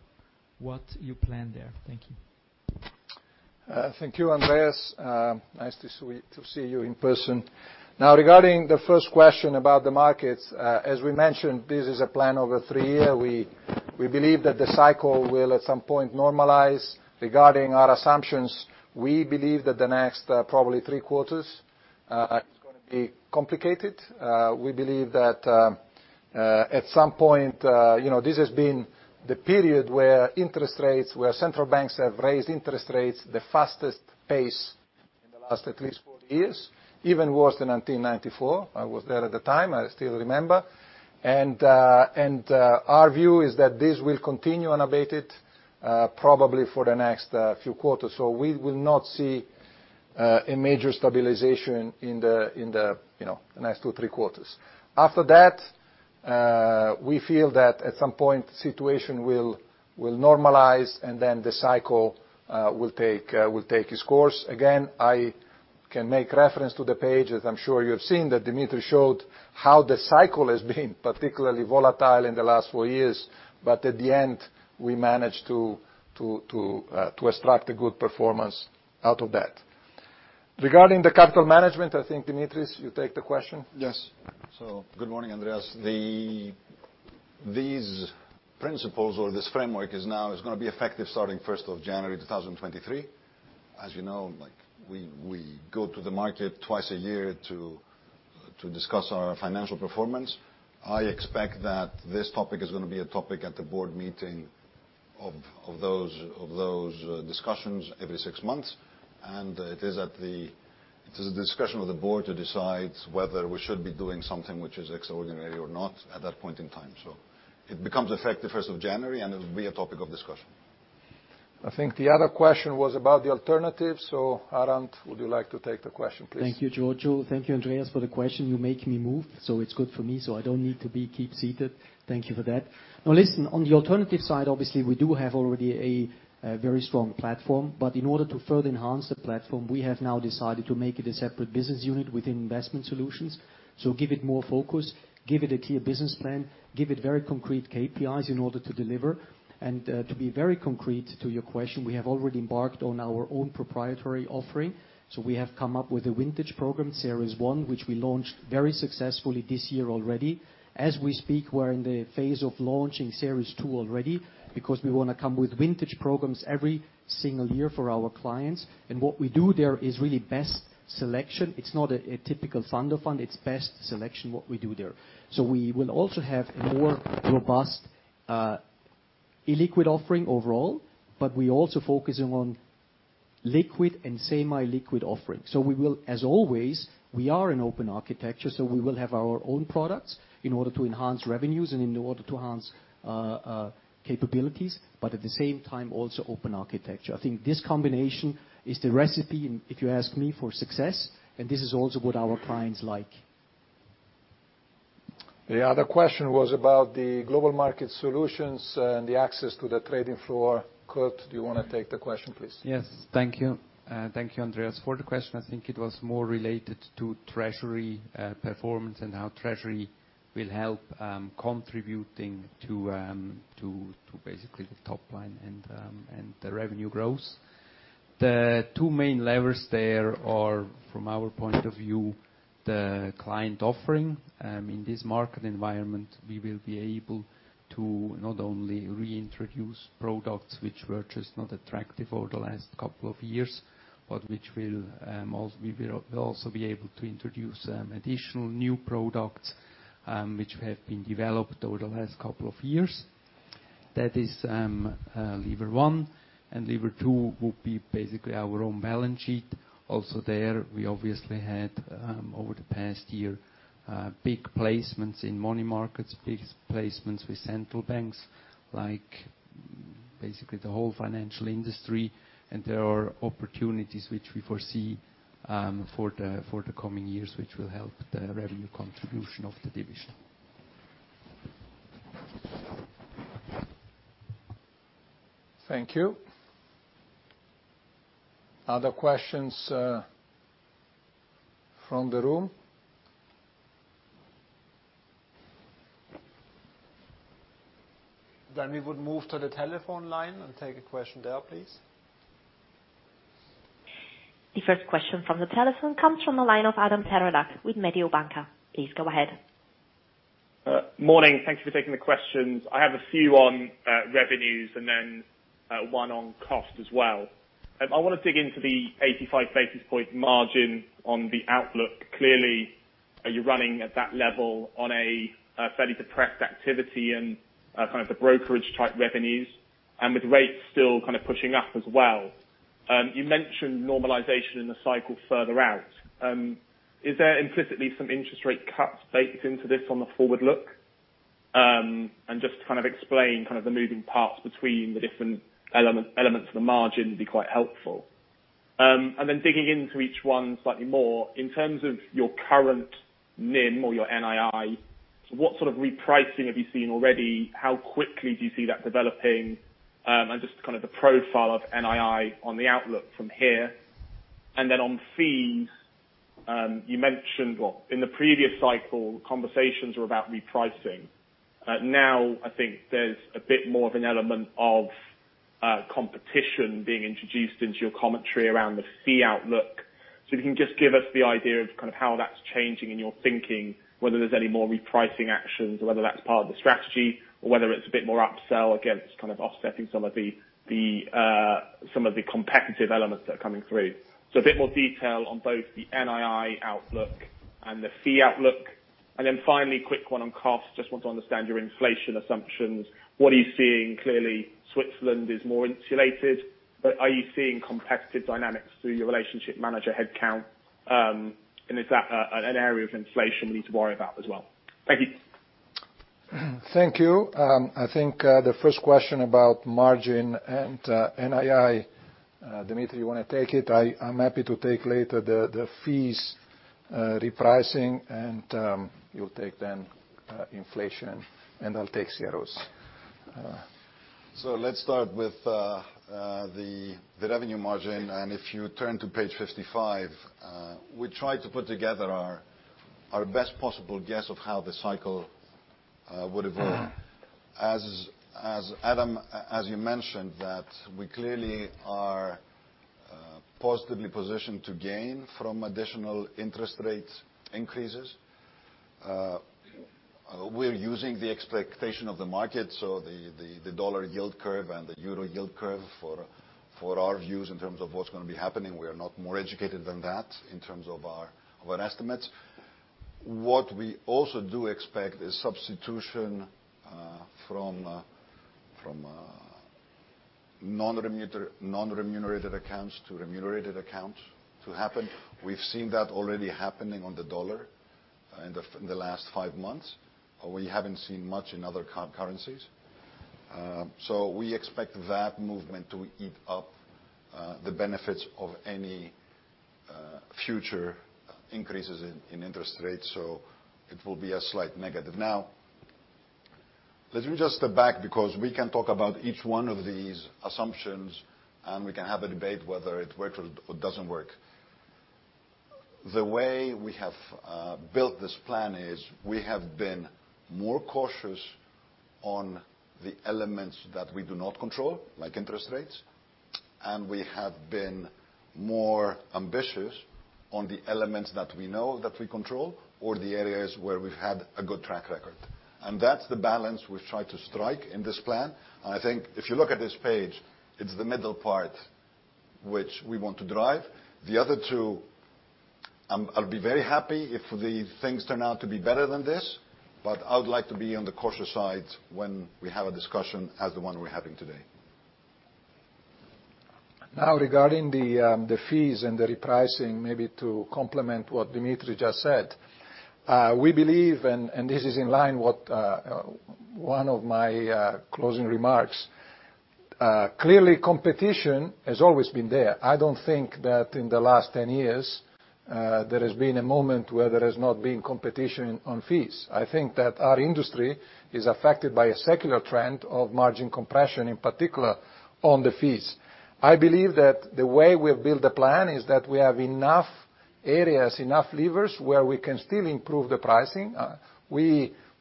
what you plan there. Thank you. Thank you, Andreas. Nice to see you in person. Now, regarding the first question about the markets, as we mentioned, this is a plan over three-year. We believe that the cycle will at some point normalize. Regarding our assumptions, we believe that the next probably three quarters, it's gonna be complicated. We believe that at some point, you know, this has been the period where interest rates, where central banks have raised interest rates the fastest pace in the last at least four years. Even worse than 1994. I was there at the time, I still remember. Our view is that this will continue unabated, probably for the next few quarters. We will not see a major stabilization in the you know, next two, three quarters. After that, we feel that at some point, situation will normalize and then the cycle will take its course. Again, I can make reference to the page, as I'm sure you have seen, that Dimitris showed how the cycle has been particularly volatile in the last four years. At the end, we managed to extract a good performance out of that. Regarding the capital management, I think, Dimitris, you take the question. Yes. Good morning, Andreas. These principles or this framework is now, is gonna be effective starting first of January 2023. As you know, like, we go to the market twice a year to discuss our financial performance. I expect that this topic is gonna be a topic at the board meeting of those discussions every six months. It is the discussion of the board to decide whether we should be doing something which is extraordinary or not at that point in time. It becomes effective first of January 2023, and it will be a topic of discussion. I think the other question was about the alternatives. Harald, would you like to take the question, please? Thank you, Giorgio. Thank you, Andreas, for the question. You make me move, so it's good for me, so I don't need to keep seated. Thank you for that. Now listen, on the alternative side, obviously we do have already a very strong platform. In order to further enhance the platform, we have now decided to make it a separate business unit within investment solutions. Give it more focus, give it a clear business plan, give it very concrete KPIs in order to deliver. To be very concrete to your question, we have already embarked on our own proprietary offering. We have come up with a vintage program, series one, which we launched very successfully this year already. As we speak, we're in the phase of launching series two already, because we wanna come with vintage programs every single year for our clients. What we do there is really best selection. It's not a typical fund of funds, it's best selection what we do there. We will also have a more robust illiquid offering overall, but we are also focusing on liquid and semi-liquid offerings. We will, as always, we are an open architecture, so we will have our own products in order to enhance revenues and in order to enhance capabilities, but at the same time, also open architecture. I think this combination is the recipe, if you ask me, for success, and this is also what our clients like. The other question was about the global market solutions and the access to the trading floor. Kurt, do you wanna take the question, please? Yes. Thank you. Thank you, Andreas, for the question. I think it was more related to treasury performance and how treasury will help contributing to basically the top line and the revenue growth. The two main levers there are, from our point of view, the client offering. In this market environment, we will be able to not only reintroduce products which were just not attractive over the last couple of years, but also introduce additional new products which have been developed over the last couple of years. That is lever one. Lever two would be basically our own balance sheet. Also there, we obviously had over the past year big placements in money markets, big placements with central banks, like basically the whole financial industry. There are opportunities which we foresee for the coming years, which will help the revenue contribution of the division. Thank you. Other questions from the room? We would move to the telephone line and take a question there, please. The first question from the telephone comes from the line of Adam Parodi with Mediobanca. Please go ahead. Morning. Thank you for taking the questions. I have a few on revenues and then one on cost as well. I wanna dig into the 85 basis point margin on the outlook. Clearly, are you running at that level on a fairly depressed activity and kind of the brokerage type revenues, and with rates still kind of pushing up as well? You mentioned normalization in the cycle further out. Is there implicitly some interest rate cuts baked into this on the forward look? Just to kind of explain kind of the moving parts between the different elements of the margin would be quite helpful. Then digging into each one slightly more, in terms of your current NIM or your NII, what sort of repricing have you seen already? How quickly do you see that developing? Just kind of the profile of NII on the outlook from here. Then on fees, you mentioned, well, in the previous cycle, conversations were about repricing. Now I think there's a bit more of an element of competition being introduced into your commentary around the fee outlook. If you can just give us the idea of kind of how that's changing in your thinking, whether there's any more repricing actions or whether that's part of the strategy or whether it's a bit more upsell against kind of offsetting some of the competitive elements that are coming through. A bit more detail on both the NII outlook and the fee outlook. Then finally, quick one on cost. Just want to understand your inflation assumptions. What are you seeing? Clearly, Switzerland is more insulated, but are you seeing competitive dynamics through your relationship manager headcount? Is that an area of inflation we need to worry about as well? Thank you. Thank you. I think the first question about margin and NII, Dimitris, you wanna take it? I'm happy to take later the fees repricing, and you'll take, then, inflation, and I'll take CRO's. Let's start with the revenue margin. If you turn to page 55, we try to put together our best possible guess of how the cycle would evolve. As Adam as you mentioned, we clearly are positively positioned to gain from additional interest rate increases. We're using the expectation of the market, so the dollar yield curve and the euro yield curve for our views in terms of what's gonna be happening. We are not more educated than that in terms of our estimates. What we also do expect is substitution from non-remunerated accounts to remunerated accounts to happen. We've seen that already happening on the dollar in the last five months. We haven't seen much in other currencies. We expect that movement to eat up the benefits of any future increases in interest rates, so it will be a slight negative. Now, let me just step back because we can talk about each one of these assumptions, and we can have a debate whether it works or doesn't work. The way we have built this plan is we have been more cautious on the elements that we do not control, like interest rates, and we have been more ambitious on the elements that we know that we control or the areas where we've had a good track record. That's the balance we've tried to strike in this plan. I think if you look at this page, it's the middle part which we want to drive. The other two, I'll be very happy if the things turn out to be better than this, but I would like to be on the cautious side when we have a discussion as the one we're having today. Now, regarding the fees and the repricing, maybe to complement what Dimitri just said, we believe, and this is in line with what one of my closing remarks. Clearly competition has always been there. I don't think that in the last 10 years, there has been a moment where there has not been competition on fees. I think that our industry is affected by a secular trend of margin compression, in particular on the fees. I believe that the way we have built the plan is that we have enough areas, enough levers where we can still improve the pricing.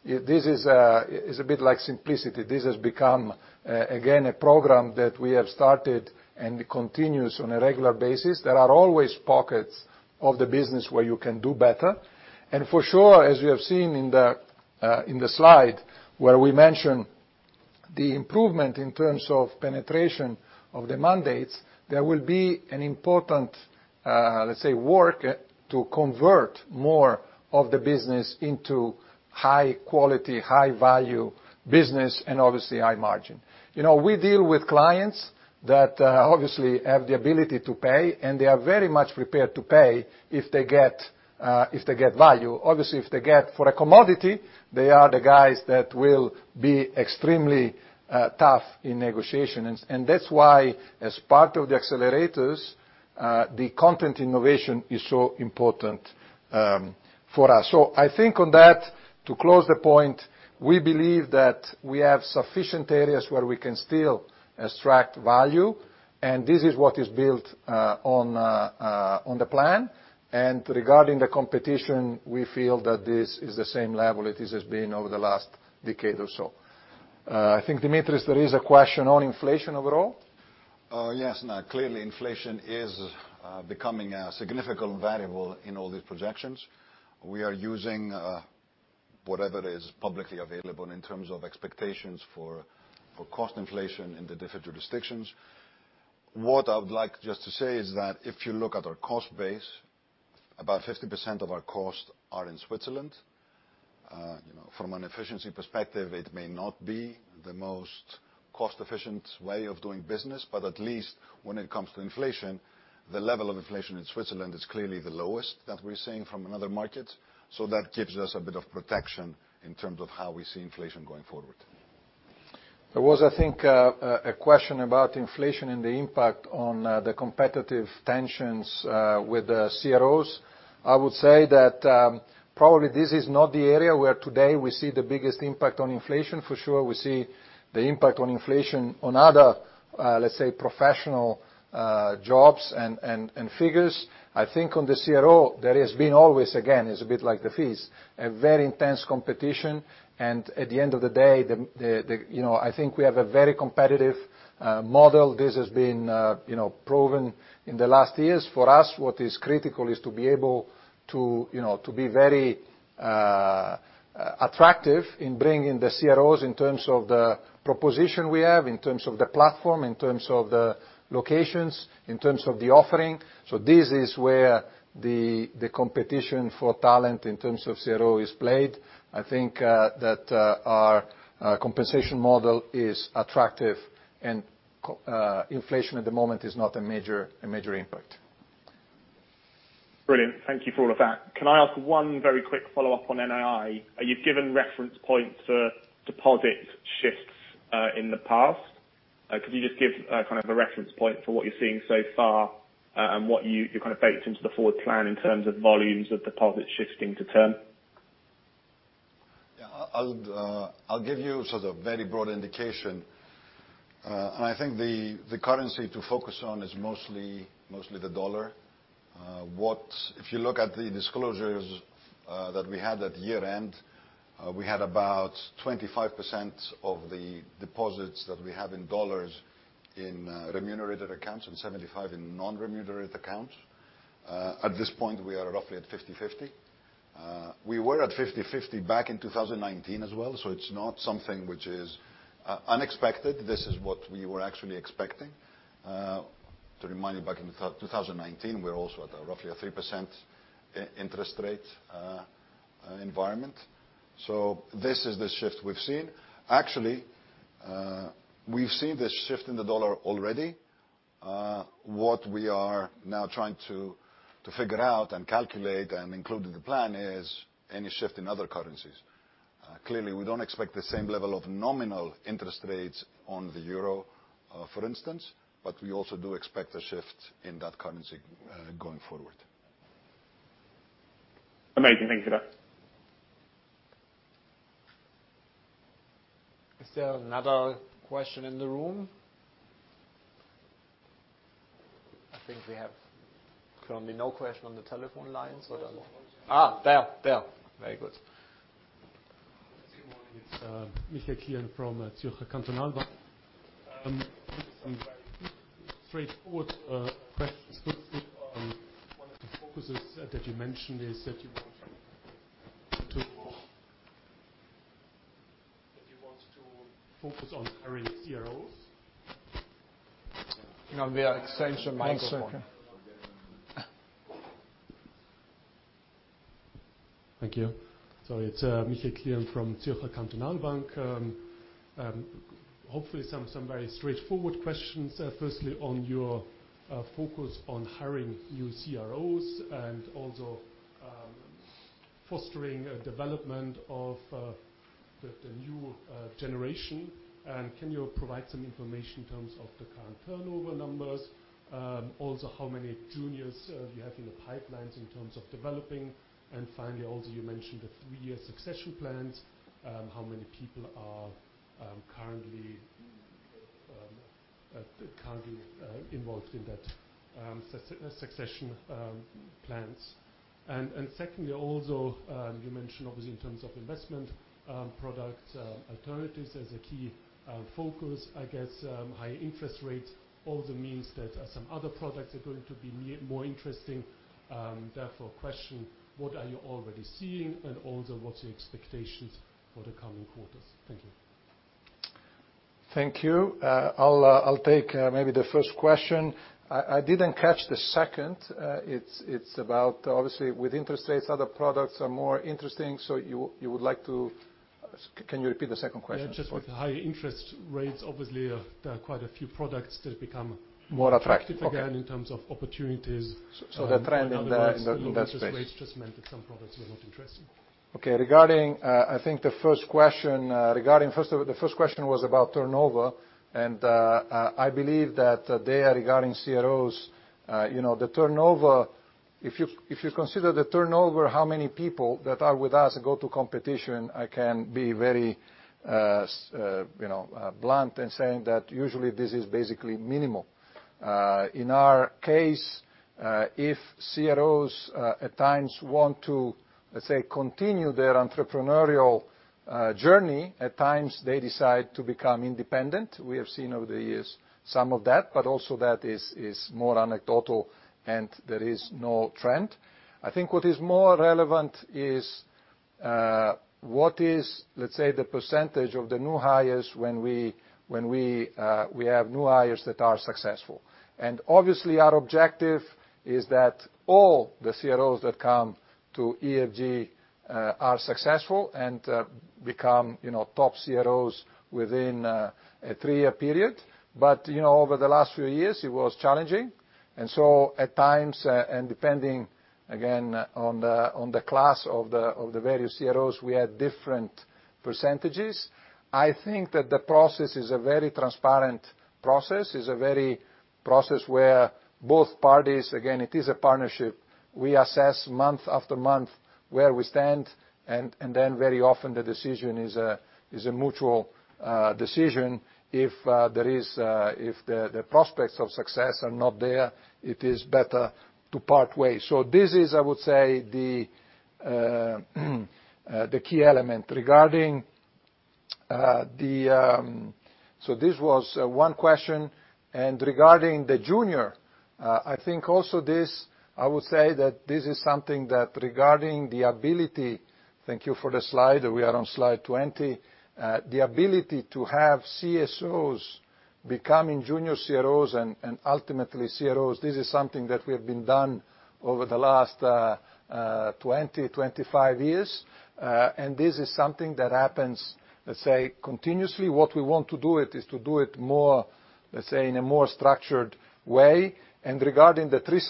This is a bit like Simplicity. This has become, again, a program that we have started and continues on a regular basis. There are always pockets of the business where you can do better. For sure, as you have seen in the slide where we mention the improvement in terms of penetration of the mandates, there will be an important, let's say, work to convert more of the business into high quality, high value business and obviously high margin. You know, we deal with clients that obviously have the ability to pay, and they are very much prepared to pay if they get value. Obviously, if they get for a commodity, they are the guys that will be extremely tough in negotiation. That's why as part of the accelerators, the content innovation is so important for us. I think on that, to close the point, we believe that we have sufficient areas where we can still extract value, and this is what is built on the plan. Regarding the competition, we feel that this is the same level it has just been over the last decade or so. I think, Dimitris, there is a question on inflation overall. Yes. Now, clearly inflation is becoming a significant variable in all these projections. We are using whatever is publicly available in terms of expectations for cost inflation in the different jurisdictions. What I would like just to say is that if you look at our cost base, about 50% of our costs are in Switzerland. You know, from an efficiency perspective, it may not be the most Cost-efficient way of doing business, but at least when it comes to inflation, the level of inflation in Switzerland is clearly the lowest that we're seeing from another market. That gives us a bit of protection in terms of how we see inflation going forward. There was, I think, a question about inflation and the impact on the competitive tensions with CROs. I would say that probably this is not the area where today we see the biggest impact on inflation. For sure, we see the impact on inflation on other, let's say, professional jobs and figures. I think on the CRO, there has been always, again, it's a bit like the fees, a very intense competition. At the end of the day, the you know I think we have a very competitive model. This has been you know proven in the last years. For us, what is critical is to be able to, you know, to be very attractive in bringing the CROs in terms of the proposition we have, in terms of the platform, in terms of the locations, in terms of the offering. This is where the competition for talent in terms of CRO is played. I think that our compensation model is attractive and inflation at the moment is not a major impact. Brilliant. Thank you for all of that. Can I ask one very quick follow-up on NII? You've given reference points for deposit shifts in the past. Could you just give kind of a reference point for what you're seeing so far and what you've kind of baked into the forward plan in terms of volumes of deposits shifting to term? Yeah. I'll give you sort of very broad indication. I think the currency to focus on is mostly the dollar. If you look at the disclosures that we had at year-end, we had about 25% of the deposits that we have in dollars in remunerated accounts and 75% in non-remunerated accounts. At this point, we are roughly at 50/50. We were at 50/50 back in 2019 as well, so it's not something which is unexpected. This is what we were actually expecting. To remind you back in 2019, we're also at a roughly 3% interest rate environment. This is the shift we've seen. Actually, we've seen this shift in the dollar already. What we are now trying to figure out and calculate and include in the plan is any shift in other currencies. Clearly we don't expect the same level of nominal interest rates on the euro, for instance, but we also do expect a shift in that currency, going forward. Amazing. Thank you for that. Is there another question in the room? I think we have currently no question on the telephone lines. What else? There, there. Very good. Good morning. It's Michael Kien from Zürcher Kantonalbank. Just some very straightforward questions. Firstly, one of the focuses that you mentioned is that you want to focus on hiring CROs. Can we extend your microphone? One second. Thank you. Sorry. It's Michael Knaus from Zürcher Kantonalbank. Hopefully some very straightforward questions. Firstly, on your focus on hiring new CROs and also fostering a development of the new generation. Can you provide some information in terms of the current turnover numbers? Also, how many juniors do you have in the pipelines in terms of developing? Finally, also, you mentioned the three-year succession plans. How many people are currently involved in that succession plans? Secondly, also, you mentioned obviously in terms of investment product alternatives as a key focus. I guess high interest rates also means that some other products are going to be more interesting, therefore question, what are you already seeing? What’s your expectations for the coming quarters? Thank you. Thank you. I'll take maybe the first question. I didn't catch the second. It's about obviously with interest rates, other products are more interesting. So you would like to so can you repeat the second question? Yeah. Just with the high interest rates, obviously, there are quite a few products that become More attractive. Okay. Attractive again in terms of opportunities. The trend in that space. Otherwise, low interest rates just meant that some products were not interesting. Okay. Regarding, I think the first question. The first question was about turnover. I believe that, regarding CROs, you know, the turnover, if you consider the turnover, how many people that are with us go to competition, I can be very, you know, blunt in saying that usually this is basically minimal. In our case, if CROs at times want to, let's say, continue their entrepreneurial journey, at times they decide to become independent. We have seen over the years some of that, but also that is more anecdotal and there is no trend. I think what is more relevant is what is, let's say, the percentage of the new hires when we have new hires that are successful? Obviously our objective is that all the CROs that come to EFG are successful and become, you know, top CROs within a three-year period. Over the last few years, it was challenging. At times, and depending again on the class of the various CROs, we had different percentages. I think that the process is a very transparent process where both parties. Again, it is a partnership. We assess month after month where we stand and then very often the decision is a mutual decision. If there is, if the prospects of success are not there, it is better to part ways. This is, I would say, the key element. Regarding the. This was one question. Regarding the junior, I think also this, I would say that this is something that regarding the ability. Thank you for the slide. We are on slide 20. The ability to have CSOs becoming junior CROs and ultimately CROs, this is something that we have been done over the last 25 years. This is something that happens, let's say, continuously. What we want to do it is to do it more, let's say, in a more structured way. Regarding the three-year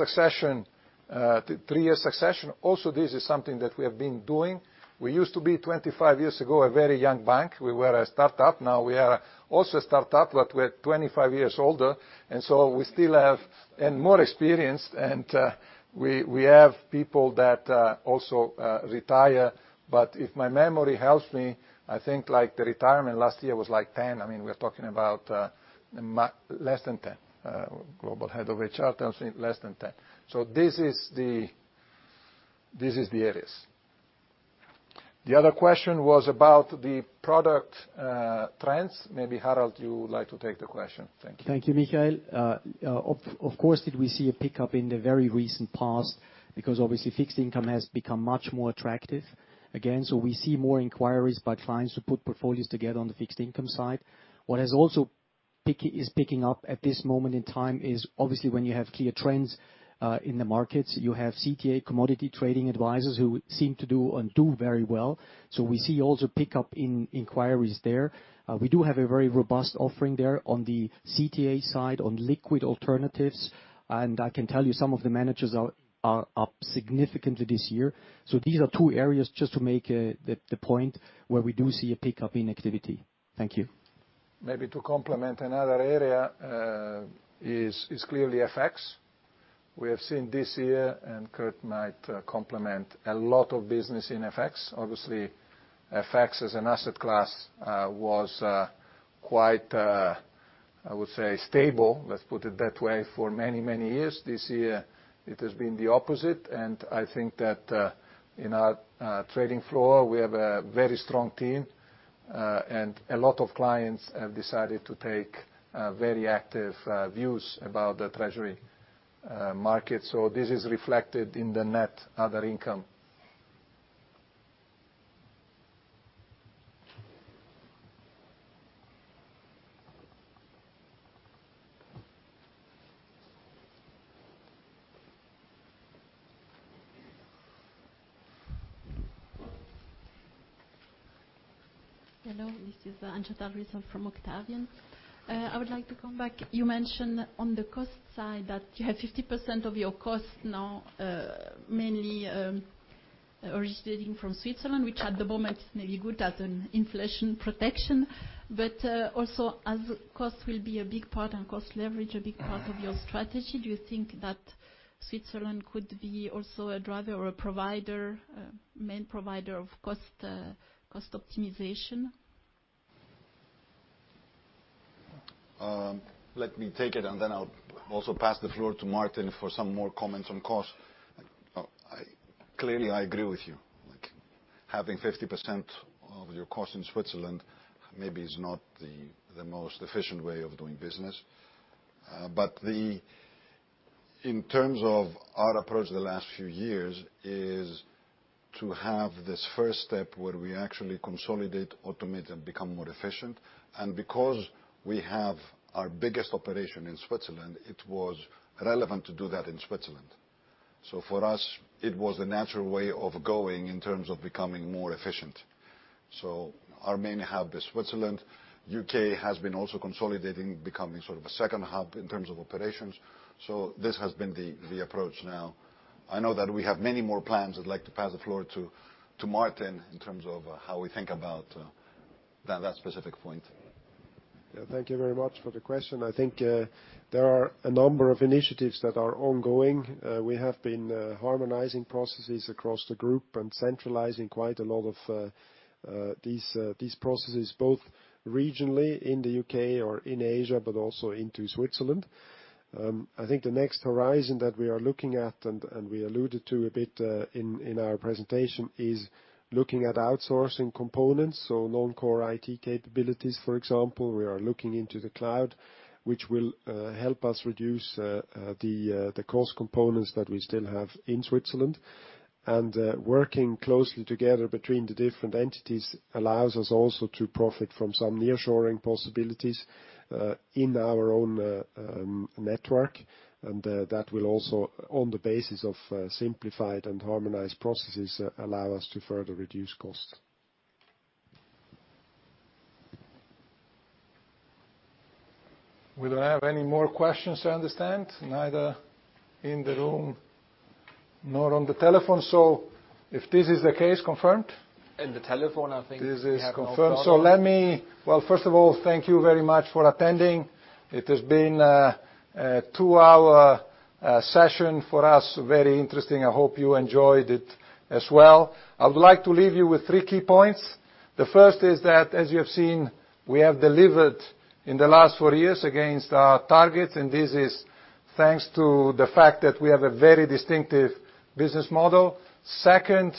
succession, also this is something that we have been doing. We used to be 25 years ago a very young bank. We were a start-up. Now we are also a start-up, but we're 25 years older, and so we still have more experienced, and we have people that also retire. If my memory helps me, I think like the retirement last year was like 10. I mean, we're talking about, less than 10. Global Head of HR tells me less than 10. This is the areas. The other question was about the product, trends. Maybe, Harald, you would like to take the question. Thank you. Thank you, Michael. Of course, we did see a pickup in the very recent past because obviously fixed income has become much more attractive again, so we see more inquiries by clients to put portfolios together on the fixed income side. What is also picking up at this moment in time is obviously when you have clear trends in the markets, you have CTA, commodity trading advisors, who seem to do very well. We see also pickup in inquiries there. We do have a very robust offering there on the CTA side, on liquid alternatives, and I can tell you some of the managers are up significantly this year. These are two areas just to make the point where we do see a pickup in activity. Thank you. Maybe to complement another area is clearly FX. We have seen this year, and Kurt might comment on a lot of business in FX. Obviously, FX as an asset class was quite, I would say stable, let's put it that way, for many, many years. This year it has been the opposite, and I think that in our trading floor, we have a very strong team, and a lot of clients have decided to take very active views about the treasury market. This is reflected in the net other income. Hello, this is Angela Rizzo from Octavian. I would like to come back. You mentioned on the cost side that you have 50% of your costs now, mainly, originating from Switzerland, which at the moment is maybe good as an inflation protection, but, also as cost will be a big part and cost leverage a big part of your strategy, do you think that Switzerland could be also a driver or a provider, a main provider of cost optimization? Let me take it, and then I'll also pass the floor to Martin for some more comments on cost. Clearly, I agree with you. Like, having 50% of your cost in Switzerland maybe is not the most efficient way of doing business. In terms of our approach the last few years is to have this first step where we actually consolidate, automate, and become more efficient. Because we have our biggest operation in Switzerland, it was relevant to do that in Switzerland. For us, it was a natural way of going in terms of becoming more efficient. Our main hub is Switzerland. UK has been also consolidating, becoming sort of a second hub in terms of operations. This has been the approach now. I know that we have many more plans. I'd like to pass the floor to Martin in terms of how we think about that specific point. Yeah, thank you very much for the question. I think there are a number of initiatives that are ongoing. We have been harmonizing processes across the group and centralizing quite a lot of these processes, both regionally in the UK or in Asia, but also into Switzerland. I think the next horizon that we are looking at, and we alluded to a bit in our presentation, is looking at outsourcing components, so non-core IT capabilities, for example. We are looking into the cloud, which will help us reduce the cost components that we still have in Switzerland. Working closely together between the different entities allows us also to profit from some nearshoring possibilities in our own network, and that will also, on the basis of simplified and harmonized processes, allow us to further reduce costs. We don't have any more questions, I understand, neither in the room nor on the telephone. If this is the case, confirmed? I think we have no further. This is confirmed. Well, first of all, thank you very much for attending. It has been a two-hour session for us. Very interesting. I hope you enjoyed it as well. I would like to leave you with three key points. The first is that, as you have seen, we have delivered in the last four years against our targets, and this is thanks to the fact that we have a very distinctive business model. Second,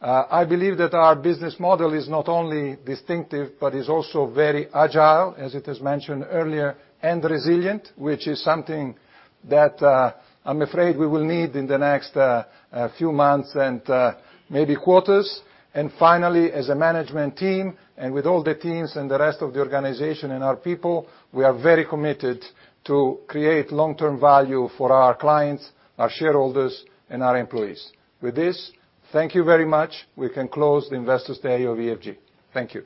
I believe that our business model is not only distinctive, but is also very agile, as it is mentioned earlier, and resilient, which is something that, I'm afraid we will need in the next few months and maybe quarters. Finally, as a management team, and with all the teams and the rest of the organization and our people, we are very committed to create long-term value for our clients, our shareholders, and our employees. With this, thank you very much. We can close the investors' day of EFG. Thank you.